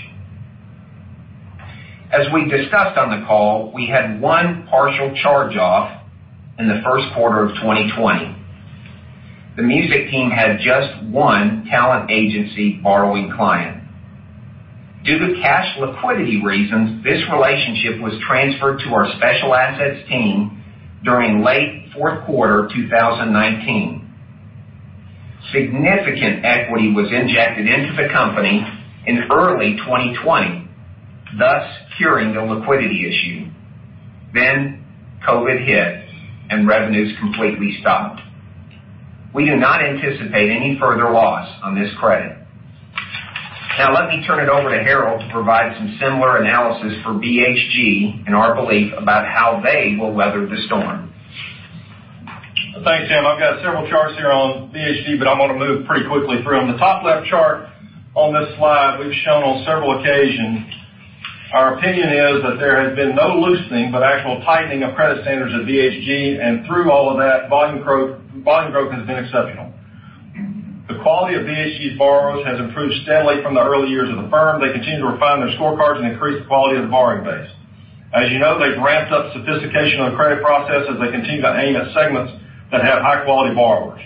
As we discussed on the call, we had one partial charge-off in the first quarter of 2020. The music team had just one talent agency borrowing client. Due to cash liquidity reasons, this relationship was transferred to our special assets team during late fourth quarter 2019. Significant equity was injected into the company in early 2020, thus curing the liquidity issue. COVID-19 hit and revenues completely stopped. We do not anticipate any further loss on this credit. Now let me turn it over to Harold to provide some similar analysis for BHG and our belief about how they will weather the storm. Thanks, Tim. I've got several charts here on BHG, but I'm going to move pretty quickly through them. The top left chart on this slide, we've shown on several occasions, our opinion is that there has been no loosening, but actual tightening of credit standards at BHG, and through all of that, volume growth has been exceptional. The quality of BHG's borrowers has improved steadily from the early years of the firm. They continue to refine their scorecards and increase the quality of the borrowing base. As you know, they've ramped up sophistication on the credit process as they continue to aim at segments that have high-quality borrowers.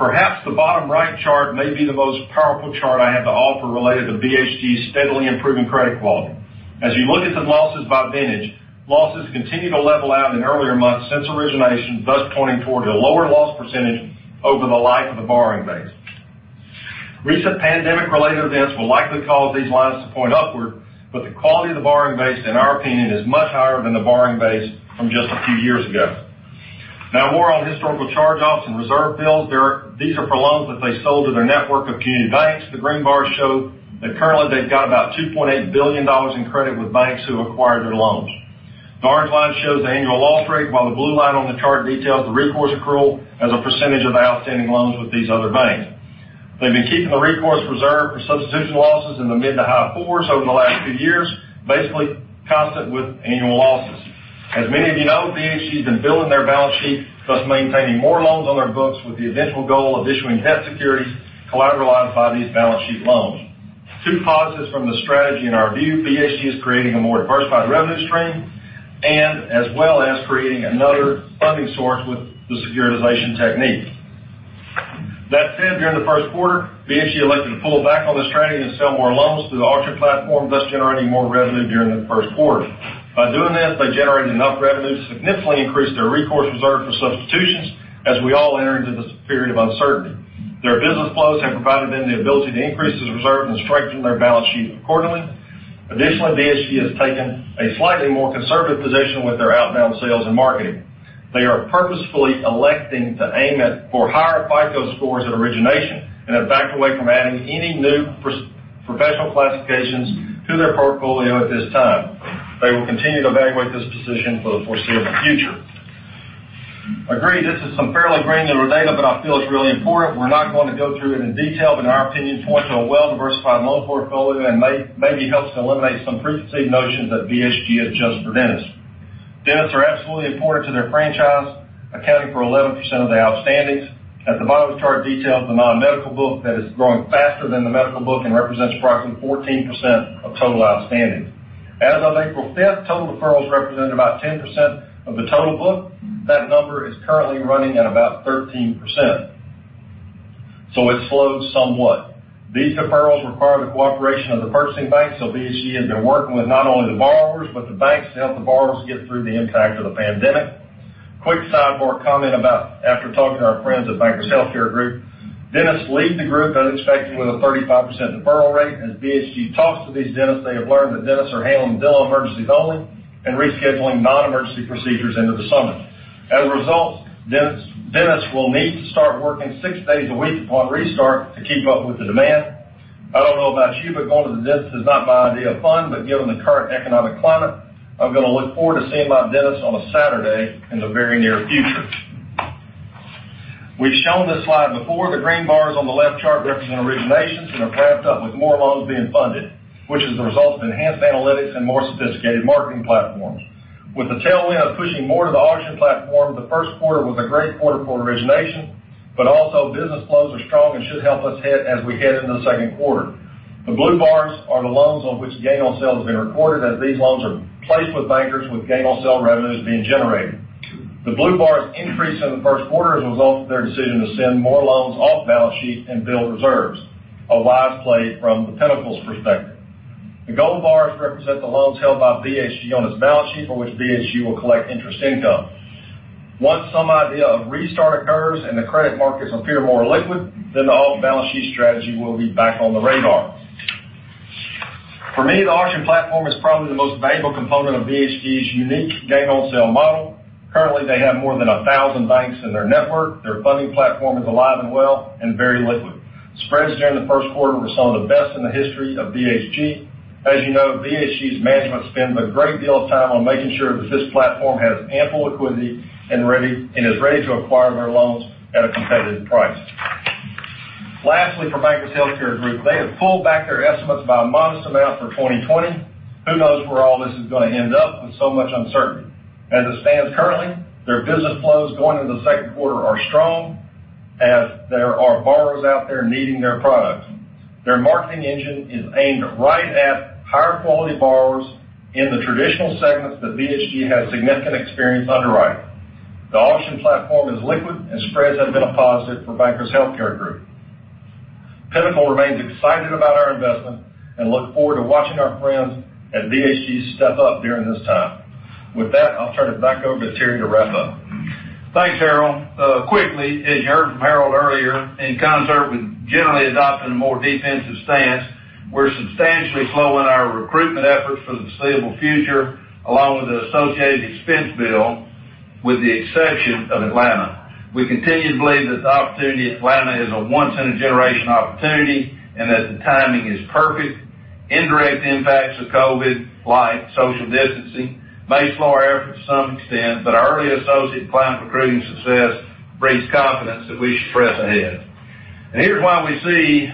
Perhaps the bottom right chart may be the most powerful chart I have to offer related to BHG's steadily improving credit quality. As you look at the losses by vintage, losses continue to level out in earlier months since origination, thus pointing toward a lower loss percentage over the life of the borrowing base. Recent pandemic-related events will likely cause these lines to point upward, but the quality of the borrowing base, in our opinion, is much higher than the borrowing base from just a few years ago. Now, more on historical charge-offs and reserve builds. These are for loans that they sold to their network of community banks. The green bars show that currently they've got about $2.8 billion in credit with banks who acquired their loans. The orange line shows the annual loss rate, while the blue line on the chart details the recourse accrual as a percentage of outstanding loans with these other banks. They've been keeping the recourse reserve for substitution losses in the mid to high fours over the last few years, basically constant with annual losses. As many of you know, BHG's been building their balance sheet, thus maintaining more loans on their books with the eventual goal of issuing debt securities collateralized by these balance sheet loans. Two positives from the strategy in our view, BHG is creating a more diversified revenue stream and as well as creating another funding source with the securitization technique. That said, during the first quarter, BHG elected to pull back on the strategy and sell more loans through the auction platform, thus generating more revenue during the first quarter. By doing this, they generated enough revenue to significantly increase their recourse reserve for substitutions as we all enter into this period of uncertainty. Their business flows have provided them the ability to increase this reserve and strengthen their balance sheet accordingly. Additionally, BHG has taken a slightly more conservative position with their outbound sales and marketing. They are purposefully electing to aim at higher FICO scores at origination and have backed away from adding any new professional classifications to their portfolio at this time. They will continue to evaluate this position for the foreseeable future. Agreed, this is some fairly granular data, but I feel it's really important. We're not going to go through it in detail, but in our opinion, point to a well-diversified loan portfolio and maybe helps to eliminate some preconceived notions that BHG is just for dentists. Dentists are absolutely important to their franchise, accounting for 11% of the outstandings. At the bottom of the chart details the non-medical book that is growing faster than the medical book and represents approximately 14% of total outstandings. As of April 5th, total deferrals represent about 10% of the total book. That number is currently running at about 13%. It slowed somewhat. These deferrals require the cooperation of the purchasing bank. BHG has been working with not only the borrowers, but the banks to help the borrowers get through the impact of the pandemic. Quick sidebar comment about after talking to our friends at Bankers Healthcare Group, dentists leave the group unexpectedly with a 35% deferral rate. As BHG talks to these dentists, they have learned that dentists are handling dental emergencies only and rescheduling non-emergency procedures into the summer. As a result, dentists will need to start working six days a week upon restart to keep up with the demand. I don't know about you, but going to the dentist is not my idea of fun, but given the current economic climate, I'm going to look forward to seeing my dentist on a Saturday in the very near future. We've shown this slide before. The green bars on the left chart represent originations and have ramped up with more loans being funded, which is the result of enhanced analytics and more sophisticated marketing platforms. With the tailwind pushing more to the auction platform, the first quarter was a great quarter for origination, but also business flows are strong and should help us as we head into the second quarter. The blue bars are the loans on which gain on sale has been recorded, as these loans are placed with bankers with gain on sale revenues being generated. The blue bars increase in the first quarter as a result of their decision to send more loans off balance sheet and build reserves, a wise play from the Pinnacle's perspective. The gold bars represent the loans held by BHG on its balance sheet for which BHG will collect interest income. Once some idea of restart occurs and the credit markets appear more liquid, the off-balance sheet strategy will be back on the radar. For me, the auction platform is probably the most valuable component of BHG's unique gain on sale model. Currently, they have more than 1,000 banks in their network. Their funding platform is alive and well and very liquid. Spreads during the first quarter were some of the best in the history of BHG. As you know, BHG's management spends a great deal of time on making sure that this platform has ample liquidity and is ready to acquire their loans at a competitive price. Lastly, for Bankers Healthcare Group, they have pulled back their estimates by a modest amount for 2020. Who knows where all this is going to end up with so much uncertainty. As it stands currently, their business flows going into the second quarter are strong as there are borrowers out there needing their products. Their marketing engine is aimed right at higher quality borrowers in the traditional segments that BHG has significant experience underwriting. The auction platform is liquid and spreads have been a positive for Bankers Healthcare Group. Pinnacle remains excited about our investment and look forward to watching our friends at BHG step up during this time. With that, I'll turn it back over to Terry to wrap up. Thanks, Harold. Quickly, as you heard from Harold earlier, in concert with generally adopting a more defensive stance, we're substantially slowing our recruitment efforts for the foreseeable future, along with the associated expense bill. With the exception of Atlanta. We continue to believe that the opportunity in Atlanta is a once in a generation opportunity, and that the timing is perfect. Indirect impacts of COVID, like social distancing, may slow our effort to some extent, but our early associate client recruiting success breeds confidence that we should press ahead. Here's why we see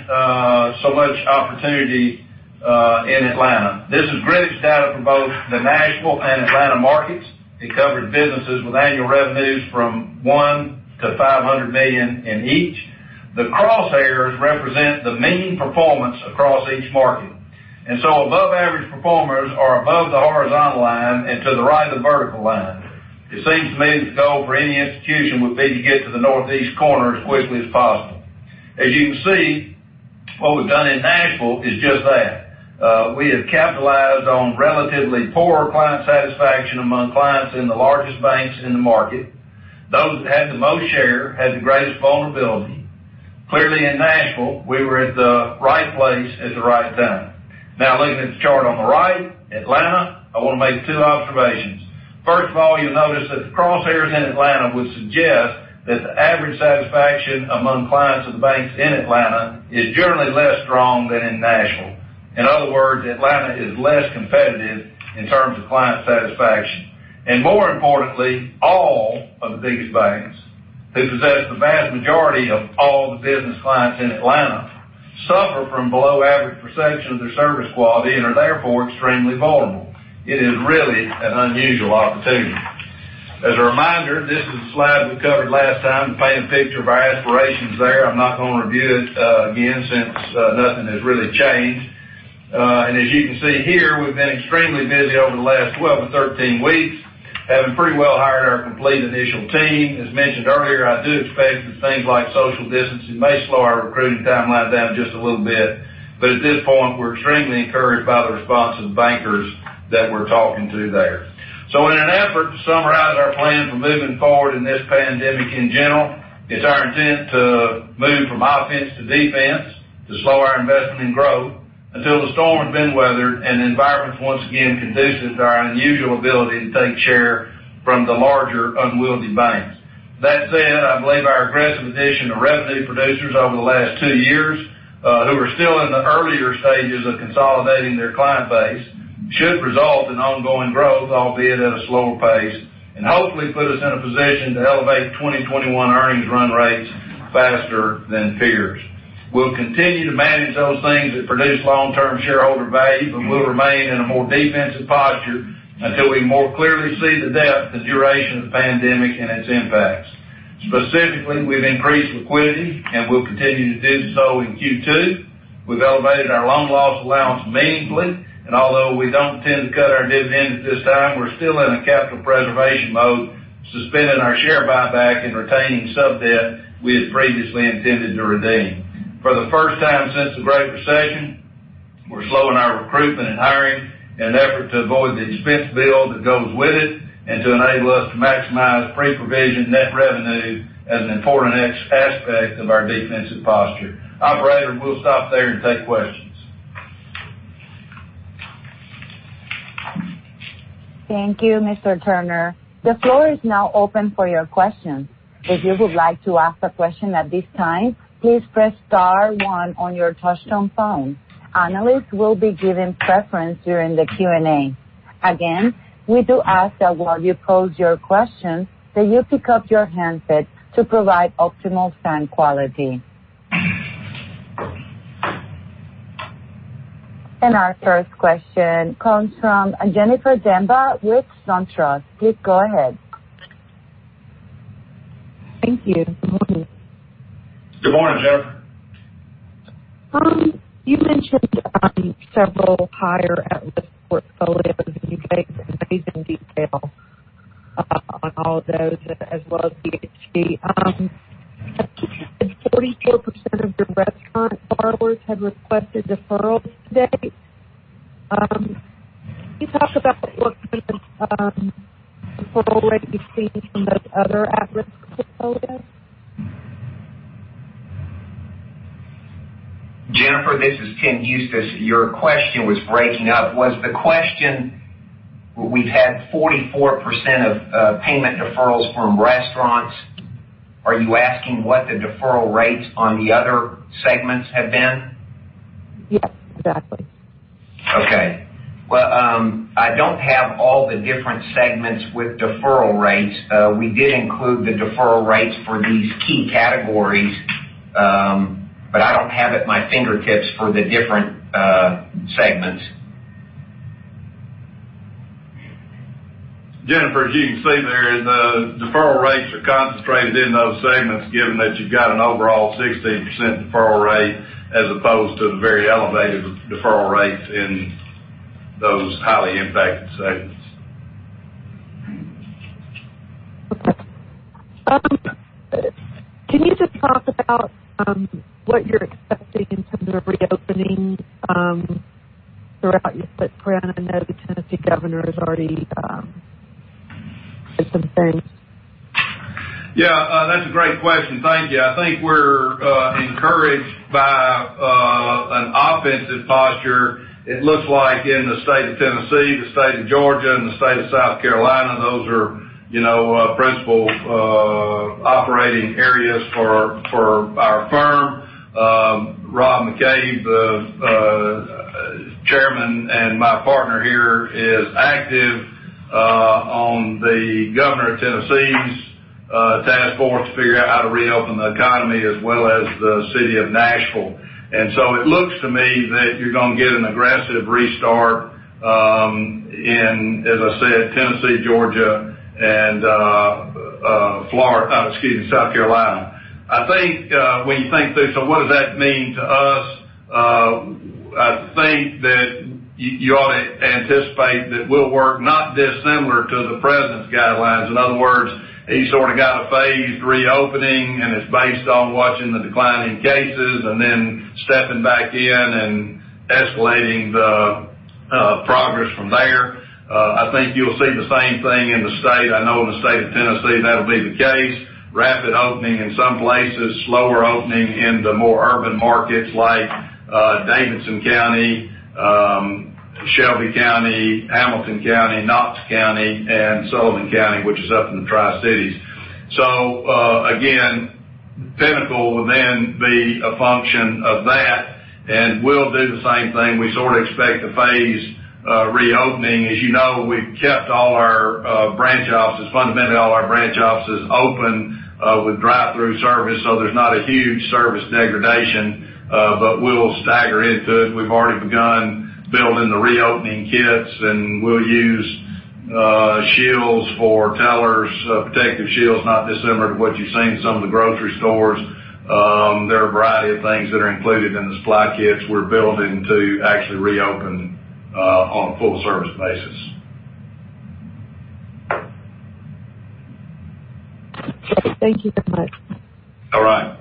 so much opportunity in Atlanta. This is Greenwich data for both the Nashville and Atlanta markets. It covers businesses with annual revenues from $1 million-$500 million in each. The crosshairs represent the mean performance across each market, and so above average performers are above the horizontal line and to the right of the vertical line. It seems to me that the goal for any institution would be to get to the northeast corner as quickly as possible. As you can see, what we've done in Nashville is just that. We have capitalized on relatively poor client satisfaction among clients in the largest banks in the market. Those that had the most share had the greatest vulnerability. Clearly in Nashville, we were at the right place at the right time. Now, looking at the chart on the right, Atlanta, I want to make two observations. First of all, you'll notice that the crosshairs in Atlanta would suggest that the average satisfaction among clients of the banks in Atlanta is generally less strong than in Nashville. In other words, Atlanta is less competitive in terms of client satisfaction. More importantly, all of the biggest banks, who possess the vast majority of all the business clients in Atlanta, suffer from below average perception of their service quality and are therefore extremely vulnerable. It is really an unusual opportunity. As a reminder, this is a slide we covered last time to paint a picture of our aspirations there. I'm not going to review it again since nothing has really changed. As you can see here, we've been extremely busy over the last 12 to 13 weeks, having pretty well hired our complete initial team. As mentioned earlier, I do expect that things like social distancing may slow our recruiting timeline down just a little bit. At this point, we're extremely encouraged by the response of the bankers that we're talking to there. In an effort to summarize our plan for moving forward in this pandemic in general, it's our intent to move from offense to defense, to slow our investment in growth until the storm has been weathered and the environment's once again conducive to our unusual ability to take share from the larger, unwieldy banks. That said, I believe our aggressive addition of revenue producers over the last two years, who are still in the earlier stages of consolidating their client base, should result in ongoing growth, albeit at a slower pace, and hopefully put us in a position to elevate 2021 earnings run rates faster than peers. We'll continue to manage those things that produce long-term shareholder value, but we'll remain in a more defensive posture until we more clearly see the depth and duration of the pandemic and its impacts. Specifically, we've increased liquidity, and we'll continue to do so in Q2. We've elevated our loan loss allowance meaningfully, and although we don't intend to cut our dividend at this time, we're still in a capital preservation mode, suspending our share buyback and retaining sub-debt we had previously intended to redeem. For the first time since the Great Recession, we're slowing our recruitment and hiring in an effort to avoid the expense bill that goes with it, and to enable us to maximize pre-provision net revenue as an important aspect of our defensive posture. Operator, we'll stop there and take questions. Thank you, Mr. Turner. The floor is now open for your questions. If you would like to ask a question at this time, please press star one on your touchtone phone. Analysts will be given preference during the Q&A. We do ask that while you pose your question, that you pick up your handset to provide optimal sound quality. Our first question comes from Jennifer Demba with SunTrust. Please go ahead. Thank you. Good morning. Good morning, Jennifer. You mentioned several higher at-risk portfolios, and you gave amazing detail on all of those, as well as BHG. You said 44% of your restaurant borrowers had requested deferrals to date. Can you talk about what kind of deferral rate you've seen from those other at-risk portfolios? Jennifer, this is Tim Huestis. Your question was breaking up. Was the question, we've had 44% of payment deferrals from restaurants. Are you asking what the deferral rates on the other segments have been? Yes, exactly. Okay. Well, I don't have all the different segments with deferral rates. We did include the deferral rates for these key categories, but I don't have it at my fingertips for the different segments. Jennifer, as you can see there, the deferral rates are concentrated in those segments, given that you've got an overall 16% deferral rate as opposed to the very elevated deferral rates in those highly impacted segments. Okay. Can you just talk about what you're expecting in terms of reopening throughout your footprint? I know the Tennessee governor has already said some things Yeah, that's a great question. Thank you. I think we're encouraged by an offensive posture, it looks like in the state of Tennessee, the state of Georgia, and the state of South Carolina, those are principal operating areas for our firm. Rob McCabe, the Chairman and my partner here, is active on the governor of Tennessee's task force to figure out how to reopen the economy as well as the city of Nashville. It looks to me that you're going to get an aggressive restart in, as I said, Tennessee, Georgia, and South Carolina. I think when you think through, what does that mean to us? I think that you ought to anticipate that we'll work not dissimilar to the President's guidelines. In other words, he sort of got a phased reopening, and it's based on watching the decline in cases and then stepping back in and escalating the progress from there. I think you'll see the same thing in the state. I know in the state of Tennessee, that'll be the case. Rapid opening in some places, slower opening in the more urban markets like Davidson County, Shelby County, Hamilton County, Knox County, and Sullivan County, which is up in the Tri-Cities. Again, Pinnacle will then be a function of that, and we'll do the same thing. We sort of expect to phase reopening. As you know, we've kept all our branch offices, fundamentally all our branch offices open with drive-through service, so there's not a huge service degradation. We'll stagger into it. We've already begun building the reopening kits, and we'll use shields for tellers, protective shields, not dissimilar to what you've seen in some of the grocery stores. There are a variety of things that are included in the supply kits we're building to actually reopen on a full service basis. Thank you so much. All right. All right.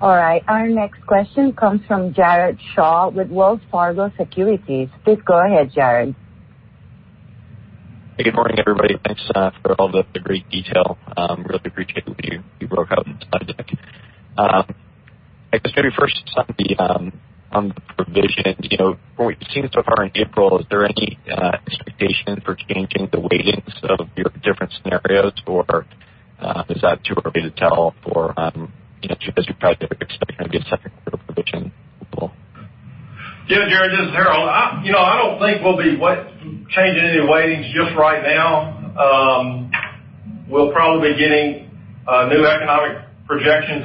Our next question comes from Jared Shaw with Wells Fargo Securities. Please go ahead, Jared. Good morning, everybody. Thanks for all the great detail. Really appreciate what you wrote out in the slide deck. I guess maybe first on the provision. From what we've seen so far in April, is there any expectation for changing the weightings of your different scenarios, or is that too early to tell, or as you probably are expecting a good second quarter provision? Yeah, Jared, this is Harold. I don't think we'll be changing any weightings just right now. We'll probably be getting new economic projections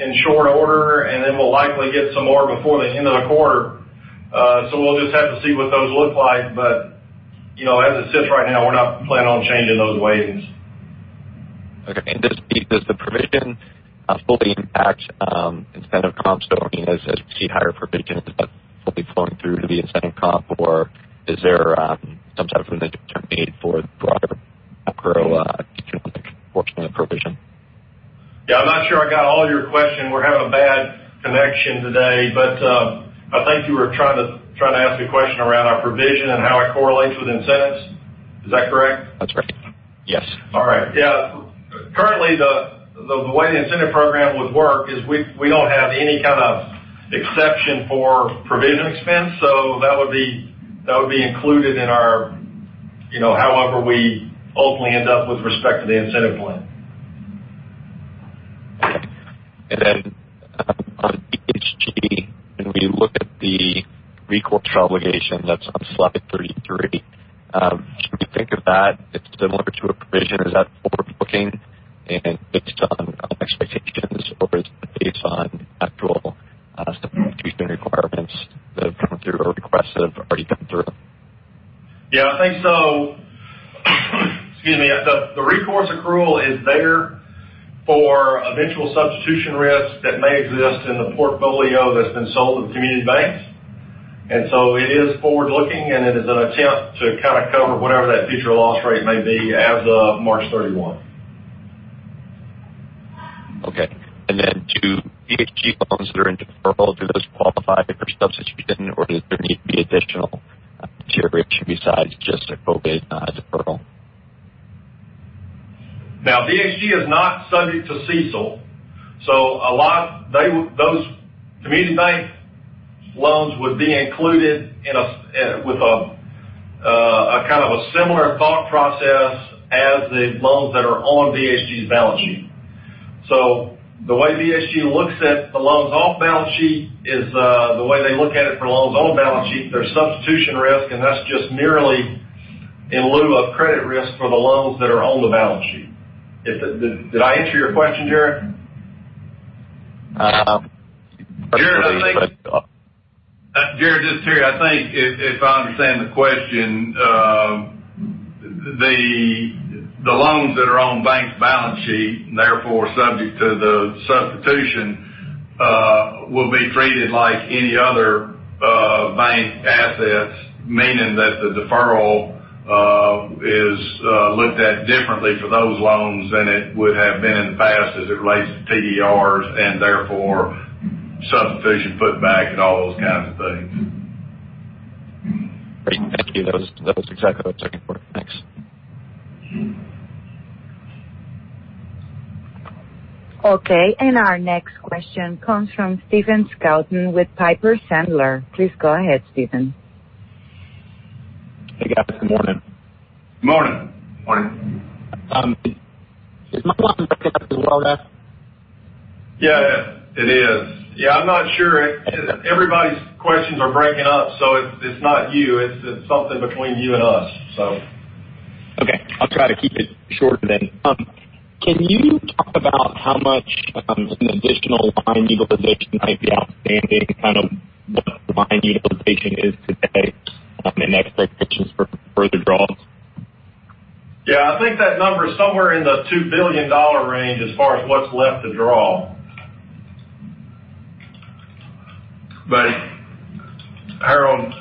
in short order, and then we'll likely get some more before the end of the quarter. We'll just have to see what those look like, but as it sits right now, we're not planning on changing those weightings. Okay. Does the provision fully impact incentive comp? As we see higher provision, is that fully flowing through to the incentive comp, or is there some type of determination made for broader macro portion of the provision? Yeah, I'm not sure I got all your question. We're having a bad connection today, but I think you were trying to ask a question around our provision and how it correlates with incentives. Is that correct? That's correct. Yes. All right. Yeah. Currently, the way the incentive program would work is we don't have any kind of exception for provision expense, so that would be included in however we ultimately end up with respect to the incentive plan. On BHG, when we look at the recourse obligation that's on slide 33, should we think of that as similar to a provision, or is that forward-looking and based on expectations, or is it based on actual substitution requirements that have come through, or requests that have already come through? Yeah, I think so. Excuse me. The recourse accrual is there for eventual substitution risks that may exist in the portfolio that's been sold to the community banks. It is forward-looking, and it is an attempt to kind of cover whatever that future loss rate may be as of March 31. Okay. Do BHG loans that are in deferral, do those qualify for substitution, or does there need to be additional trigger besides just a COVID deferral? BHG is not subject to CECL. Those community bank loans would be included with a kind of a similar thought process as the loans that are on BHG's balance sheet. The way BHG looks at the loans off balance sheet is the way they look at it for loans on balance sheet. There's substitution risk, and that's just merely in lieu of credit risk for the loans that are on the balance sheet. Did I answer your question, Jared? Jared, this is Terry. I think if I understand the question, the loans that are on banks' balance sheet, therefore subject to the substitution, will be treated like any other bank assets, meaning that the deferral is looked at differently for those loans than it would have been in the past as it relates to TDRs and therefore substitution put back and all those kinds of things. Great. Thank you. That was exactly what I was looking for. Thanks. Okay, our next question comes from Stephen Scouten with Piper Sandler. Please go ahead, Stephen. Hey, guys. Good morning. Morning. Morning. Is my volume okay as well there? Yeah, it is. Yeah, I'm not sure. Everybody's questions are breaking up, so it's not you, it's something between you and us. Okay. I'll try to keep it short then. Can you talk about how much an additional line utilization might be outstanding, kind of what the line utilization is today, and expectations for further draws? Yeah, I think that number is somewhere in the $2 billion range as far as what's left to draw. Harold,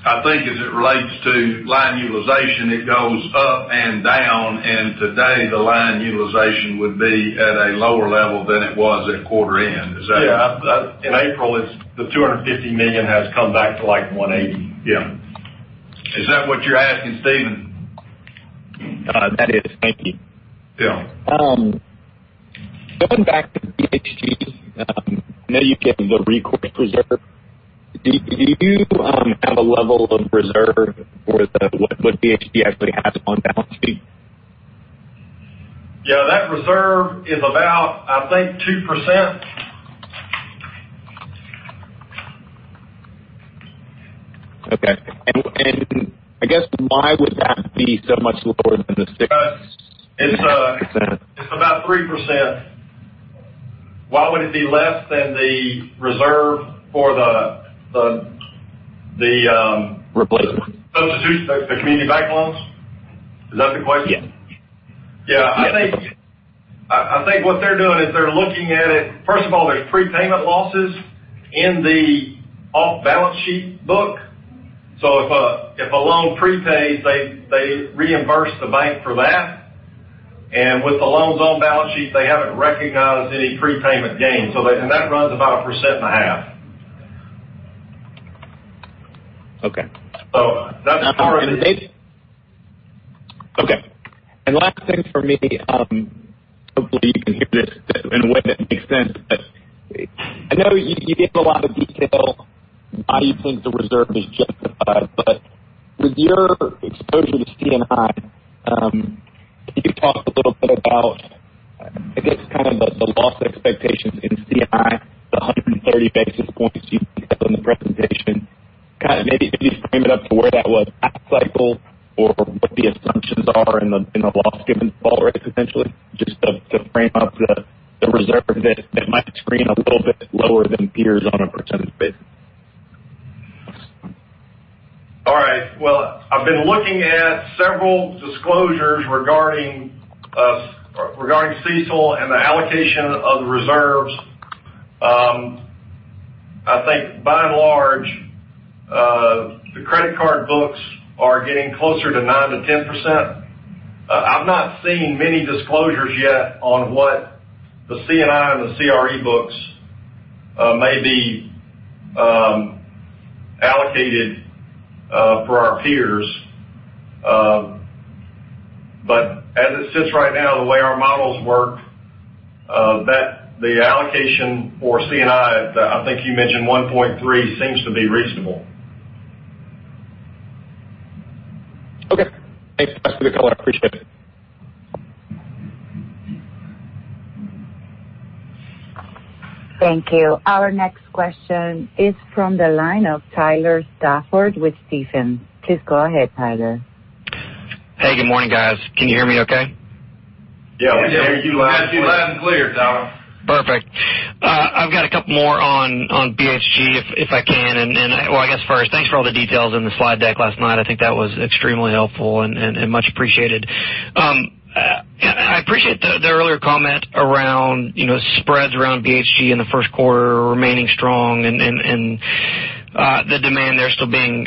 I think as it relates to line utilization, it goes up and down, and today the line utilization would be at a lower level than it was at quarter end. Is that? Yeah. In April, the $250 million has come back to like $180 million. Yeah. Is that what you're asking, Steven? That is. Thank you. Yeah. Going back to BHG, I know you gave the recourse reserve. Do you have a level of reserve for what BHG actually has on balance sheet? Yeah, that reserve is about, I think, 2%. Okay. I guess why would that be so much lower than the 6%? It's about 3%. Why would it be less than the reserve for the-? Replacement substitution, the community bank loans? Is that the question? Yeah. Yeah, I think what they're doing is they're looking at it. First of all, there's prepayment losses in the off-balance-sheet book. If a loan prepays, they reimburse the bank for that. With the loans on-balance-sheet, they haven't recognized any prepayment gains. That runs about 1.5%. Okay. So that's- Okay. Last thing for me, hopefully you can hear this in a way that makes sense. I know you gave a lot of detail why you think the reserve is justified, with your exposure to C&I, can you talk a little bit about, I guess, kind of the loss expectations in C&I, the 130 basis points you had in the presentation. Just frame it up to where that was out-cycle, or what the assumptions are in the loss-given default rates, essentially, just to frame up the reserve that might screen a little bit lower than peers on a percentage basis. All right. Well, I've been looking at several disclosures regarding CECL and the allocation of the reserves. I think by and large, the credit card books are getting closer to 9%-10%. I've not seen many disclosures yet on what the C&I and the CRE books may be allocated for our peers. As it sits right now, the way our models work, the allocation for C&I think you mentioned 1.3%, seems to be reasonable. Okay. Thanks for the color. I appreciate it. Thank you. Our next question is from the line of Tyler Stafford with Stephens. Please go ahead, Tyler. Hey, good morning, guys. Can you hear me okay? Yeah. We can hear you loud and clear, Tyler. Perfect. I've got a couple more on BHG, if I can. I guess first, thanks for all the details in the slide deck last night. I think that was extremely helpful and much appreciated. I appreciate the earlier comment around spreads around BHG in the first quarter remaining strong and the demand there still being,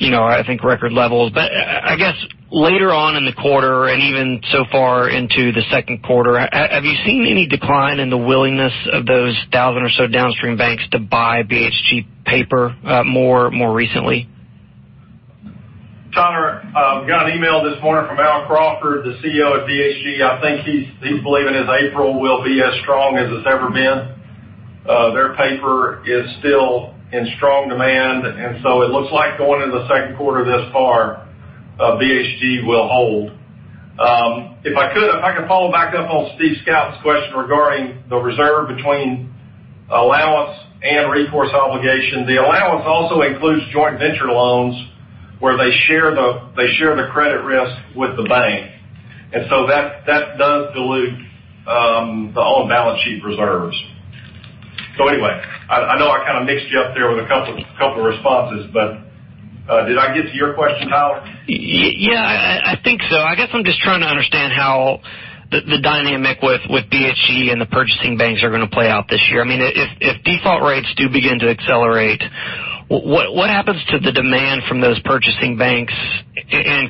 I think, record levels. I guess later on in the quarter and even so far into the second quarter, have you seen any decline in the willingness of those 1,000 or so downstream banks to buy BHG paper more recently? Tyler, got an email this morning from Al Crawford, the CEO of BHG. I think he's believing his April will be as strong as it's ever been. Their paper is still in strong demand, it looks like going into the second quarter thus far, BHG will hold. If I could follow back up on Steve Scouten's question regarding the reserve between allowance and recourse obligation. The allowance also includes joint venture loans where they share the credit risk with the bank, that does dilute the on-balance-sheet reserves. Anyway, I know I kind of mixed you up there with a couple of responses, but did I get to your question, Tyler? Yeah, I think so. I guess I'm just trying to understand how the dynamic with BHG and the purchasing banks are going to play out this year. If default rates do begin to accelerate, what happens to the demand from those purchasing banks?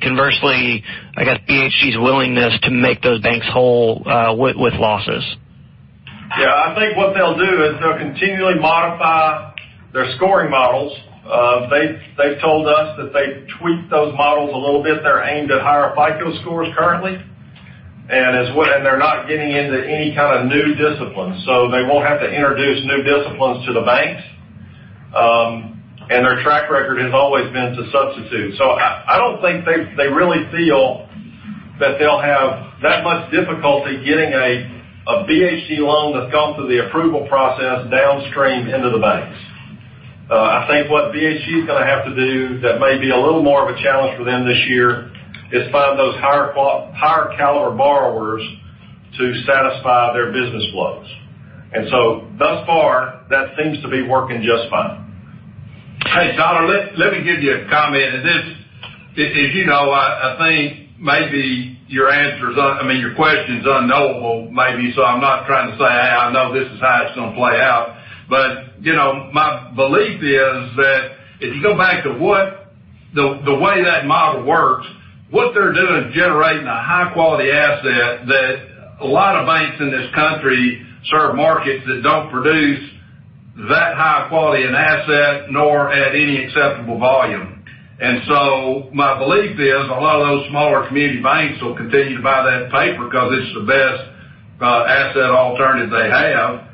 Conversely, I guess, BHG's willingness to make those banks whole with losses. Yeah. I think what they'll do is they'll continually modify their scoring models. They've told us that they tweaked those models a little bit. They're aimed at higher FICO scores currently, and they're not getting into any kind of new disciplines, so they won't have to introduce new disciplines to the banks. Their track record has always been to substitute. I don't think they really feel that they'll have that much difficulty getting a BHG loan that's gone through the approval process downstream into the banks. I think what BHG is going to have to do, that may be a little more of a challenge for them this year, is find those higher caliber borrowers to satisfy their business flows. Thus far, that seems to be working just fine. Hey, Donald, let me give you a comment. As you know, I think maybe your question's unknowable, maybe, so I'm not trying to say, "Hey, I know this is how it's going to play out." My belief is that if you go back to the way that model works, what they're doing is generating a high-quality asset that a lot of banks in this country serve markets that don't produce that high quality an asset, nor at any acceptable volume. My belief is a lot of those smaller community banks will continue to buy that paper because it's the best asset alternative they have.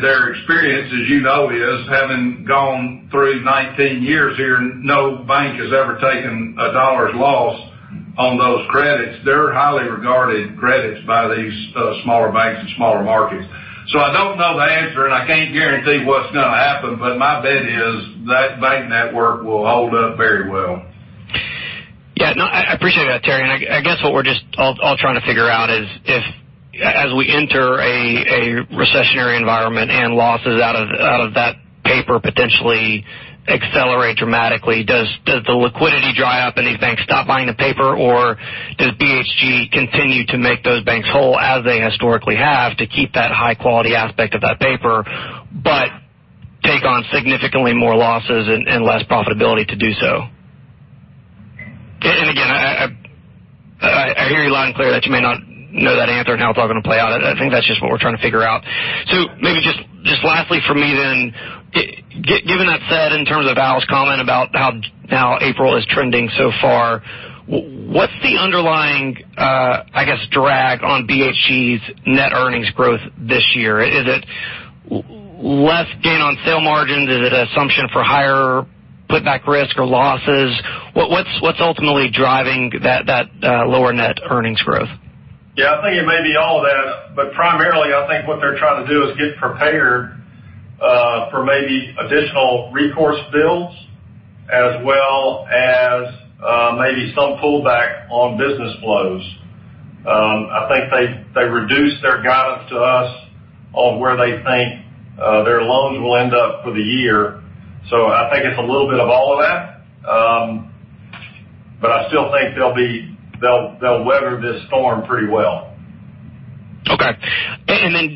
Their experience, as you know, is having gone through 19 years here, no bank has ever taken a dollar's loss on those credits. They're highly regarded credits by these smaller banks and smaller markets. I don't know the answer, and I can't guarantee what's going to happen, but my bet is that bank network will hold up very well. Yeah. No, I appreciate that, Terry. I guess what we're just all trying to figure out is, as we enter a recessionary environment and losses out of that paper potentially accelerate dramatically, does the liquidity dry up and these banks stop buying the paper, or does BHG continue to make those banks whole as they historically have to keep that high quality aspect of that paper, but take on significantly more losses and less profitability to do so? Again, I hear you loud and clear that you may not know that answer and how it's all going to play out. I think that's just what we're trying to figure out. Maybe just lastly from me then, given that said, in terms of Al's comment about how April is trending so far, what's the underlying, I guess, drag on BHG's net earnings growth this year? Is it less gain on sale margin? Is it assumption for higher put back risk or losses? What's ultimately driving that lower net earnings growth? Yeah. I think it may be all of that. Primarily, I think what they're trying to do is get prepared for maybe additional recourse bills as well as maybe some pullback on business flows. I think they reduced their guidance to us on where they think their loans will end up for the year. I think it's a little bit of all of that. I still think they'll weather this storm pretty well. Okay.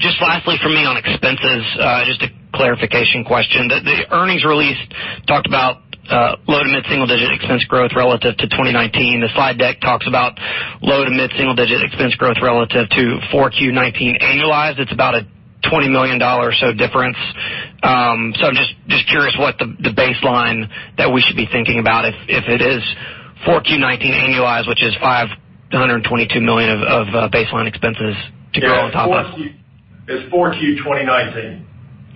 Just lastly from me on expenses, just a clarification question. The earnings release talked about low to mid single-digit expense growth relative to 2019. The slide deck talks about low to mid single-digit expense growth relative to 4Q 2019 annualized. It's about a $20 million or so difference. I'm just curious what the baseline that we should be thinking about, if it is 4Q 2019 annualized, which is $522 million of baseline expenses to go on top of. It's 4Q 2019.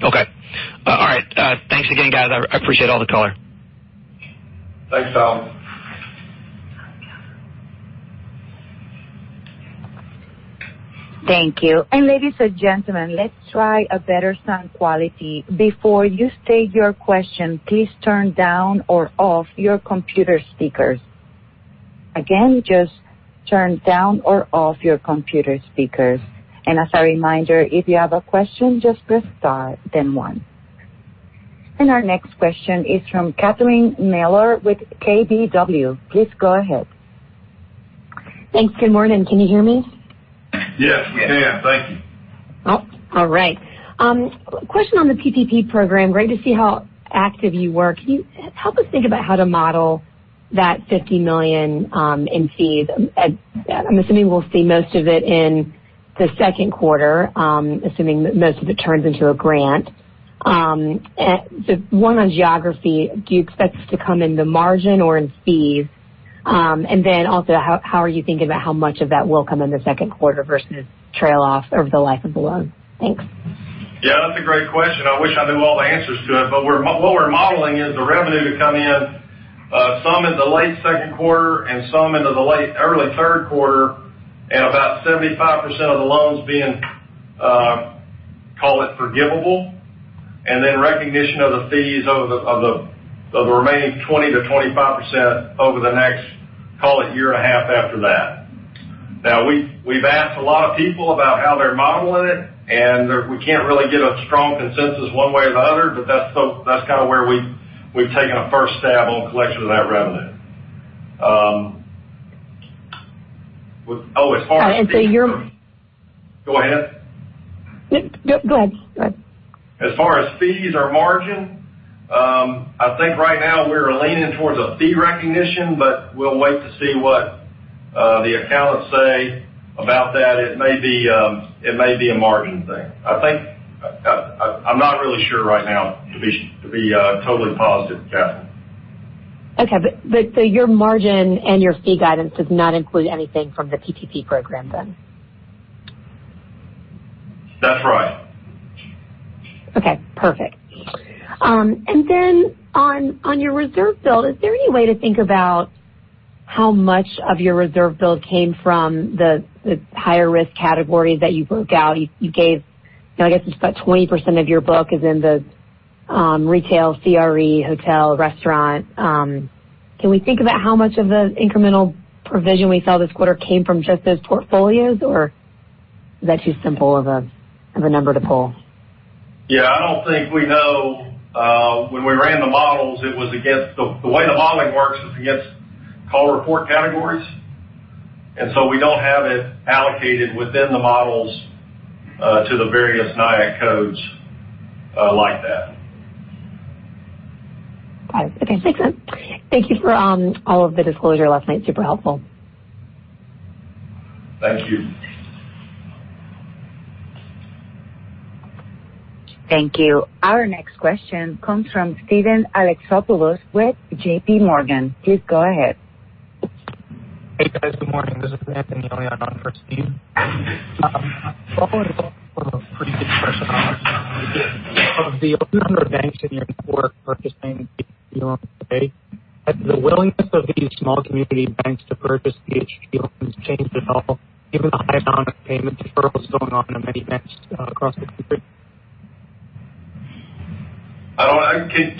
Okay. All right. Thanks again, guys. I appreciate all the color. Thanks, Tyler. Thank you. Ladies and gentlemen, let's try a better sound quality. Before you state your question, please turn down or off your computer speakers. Again, just turn down or off your computer speakers. As a reminder, if you have a question, just press star then one. Our next question is from Catherine Mealor with KBW. Please go ahead. Thanks. Good morning. Can you hear me? Yes, we can. Thank you. All right. Question on the PPP program. Great to see how active you were. Can you help us think about how to model that $50 million in fees? I'm assuming we'll see most of it in the second quarter, assuming most of it turns into a grant. One on geography, do you expect this to come in the margin or in fees? How are you thinking about how much of that will come in the second quarter versus trail off over the life of the loan? Thanks. Yeah, that's a great question. I wish I knew all the answers to it. What we're modeling is the revenue to come in, some in the late second quarter and some into the early third quarter, and about 75% of the loans being, call it, forgivable. Recognition of the fees of the remaining 20%-25% over the next, call it year and a half after that. Now, we've asked a lot of people about how they're modeling it, and we can't really get a strong consensus one way or the other, but that's kind of where we've taken a first stab on collection of that revenue. Oh, as far as fees. And so you're- Go ahead. No, go ahead. As far as fees or margin, I think right now we're leaning towards a fee recognition, but we'll wait to see what the accountants say about that. It may be a margin thing. I'm not really sure right now, to be totally positive, Catherine. Okay. Your margin and your fee guidance does not include anything from the PPP program, then? That's right. Okay, perfect. On your reserve build, is there any way to think about how much of your reserve build came from the higher risk category that you broke out? You gave, I guess it's about 20% of your book is in the retail, CRE, hotel, restaurant. Can we think about how much of the incremental provision we saw this quarter came from just those portfolios, or is that too simple of a number to pull? I don't think we know. When we ran the models, the way the modeling works is it gets call report categories. We don't have it allocated within the models to the various NAICS codes like that. Got it. Okay, makes sense. Thank you for all of the disclosure last night. Super helpful. Thank you. Thank you. Our next question comes from Steven Alexopoulos with JPMorgan. Please go ahead. Hey, guys. Good morning. This is Anthony on for Steve. Of the number of banks in your core purchasing has the willingness of these small community banks to purchase BHG loans changed at all, given the high amount of payment deferrals going on in many banks across the country?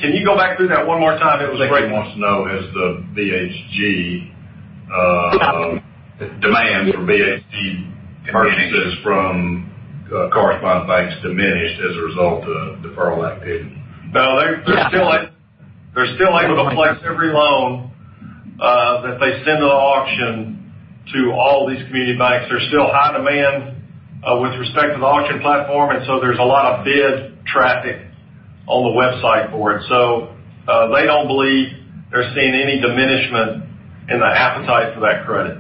Can you go back through that one more time? It was a great one. I think he wants to know, has the BHG demand for BHG purchases from corresponding banks diminished as a result of deferral activity? They're still able to place every loan that they send to the auction to all these community banks. There's still high demand with respect to the auction platform, there's a lot of bid traffic on the website for it. They don't believe they're seeing any diminishment in the appetite for that credit.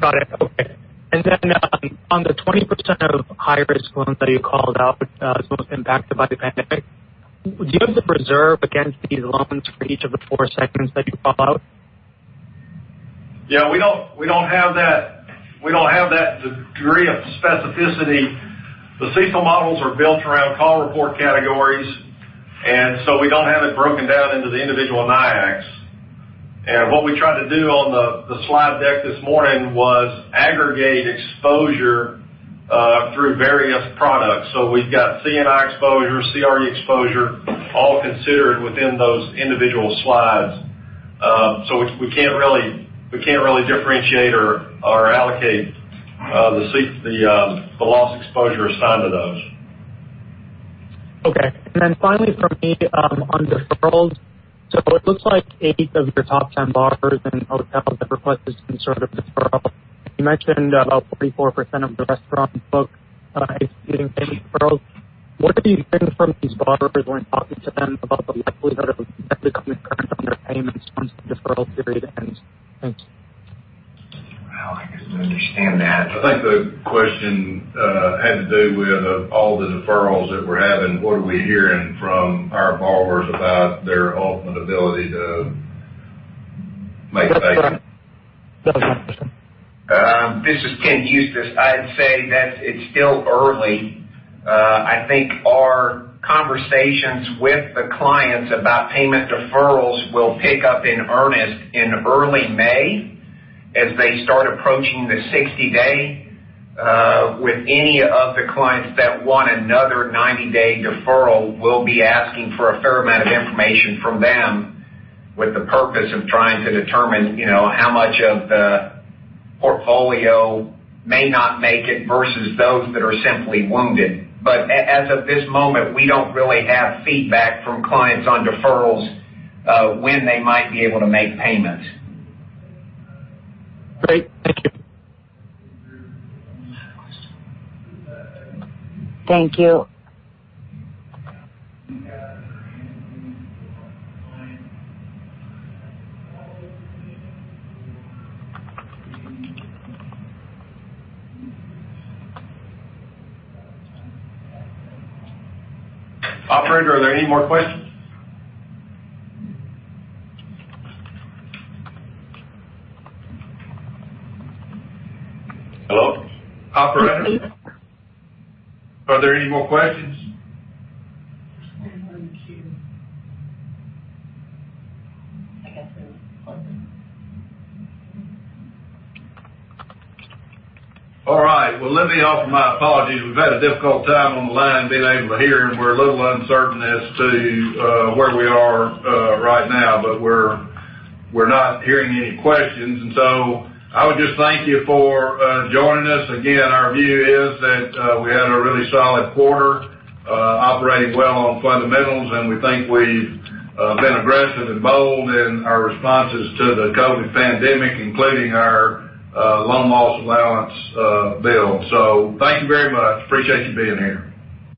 Got it. Okay. On the 20% of high-risk loans that you called out as most impacted by the pandemic, do you have the reserve against these loans for each of the four segments that you called out? Yeah, we don't have that degree of specificity. The CECL models are built around call report categories, and we don't have it broken down into the individual NAICS. What we tried to do on the slide deck this morning was aggregate exposure through various products. We've got C&I exposure, CRE exposure, all considered within those individual slides. We can't really differentiate or allocate the loss exposure assigned to those. Okay. Finally from me, on deferrals, it looks like eight of your top 10 borrowers in hotel have requested some sort of deferral. You mentioned about 44% of the restaurant book is getting payment deferrals. What are you hearing from these borrowers when talking to them about the likelihood of them getting current on their payments once the deferral period ends? Thanks. Well, I guess to understand that, I think the question had to do with, of all the deferrals that we're having, what are we hearing from our borrowers about their ultimate ability to make payments? Correct. That was my question. This is Tim Huestis. I'd say that it's still early. I think our conversations with the clients about payment deferrals will pick up in earnest in early May, as they start approaching the 60-day. With any of the clients that want another 90-day deferral, we'll be asking for a fair amount of information from them with the purpose of trying to determine how much of the portfolio may not make it versus those that are simply wounded. As of this moment, we don't really have feedback from clients on deferrals, when they might be able to make payments. Great. Thank you. Thank you. Operator, are there any more questions? Hello? Operator, are there any more questions? All right. Well, let me offer my apologies. We've had a difficult time on the line being able to hear, and we're a little uncertain as to where we are right now. We're not hearing any questions, and so I would just thank you for joining us. Again, our view is that we had a really solid quarter, operating well on fundamentals, and we think we've been aggressive and bold in our responses to the COVID pandemic, including our loan loss allowance build. Thank you very much. Appreciate you being here.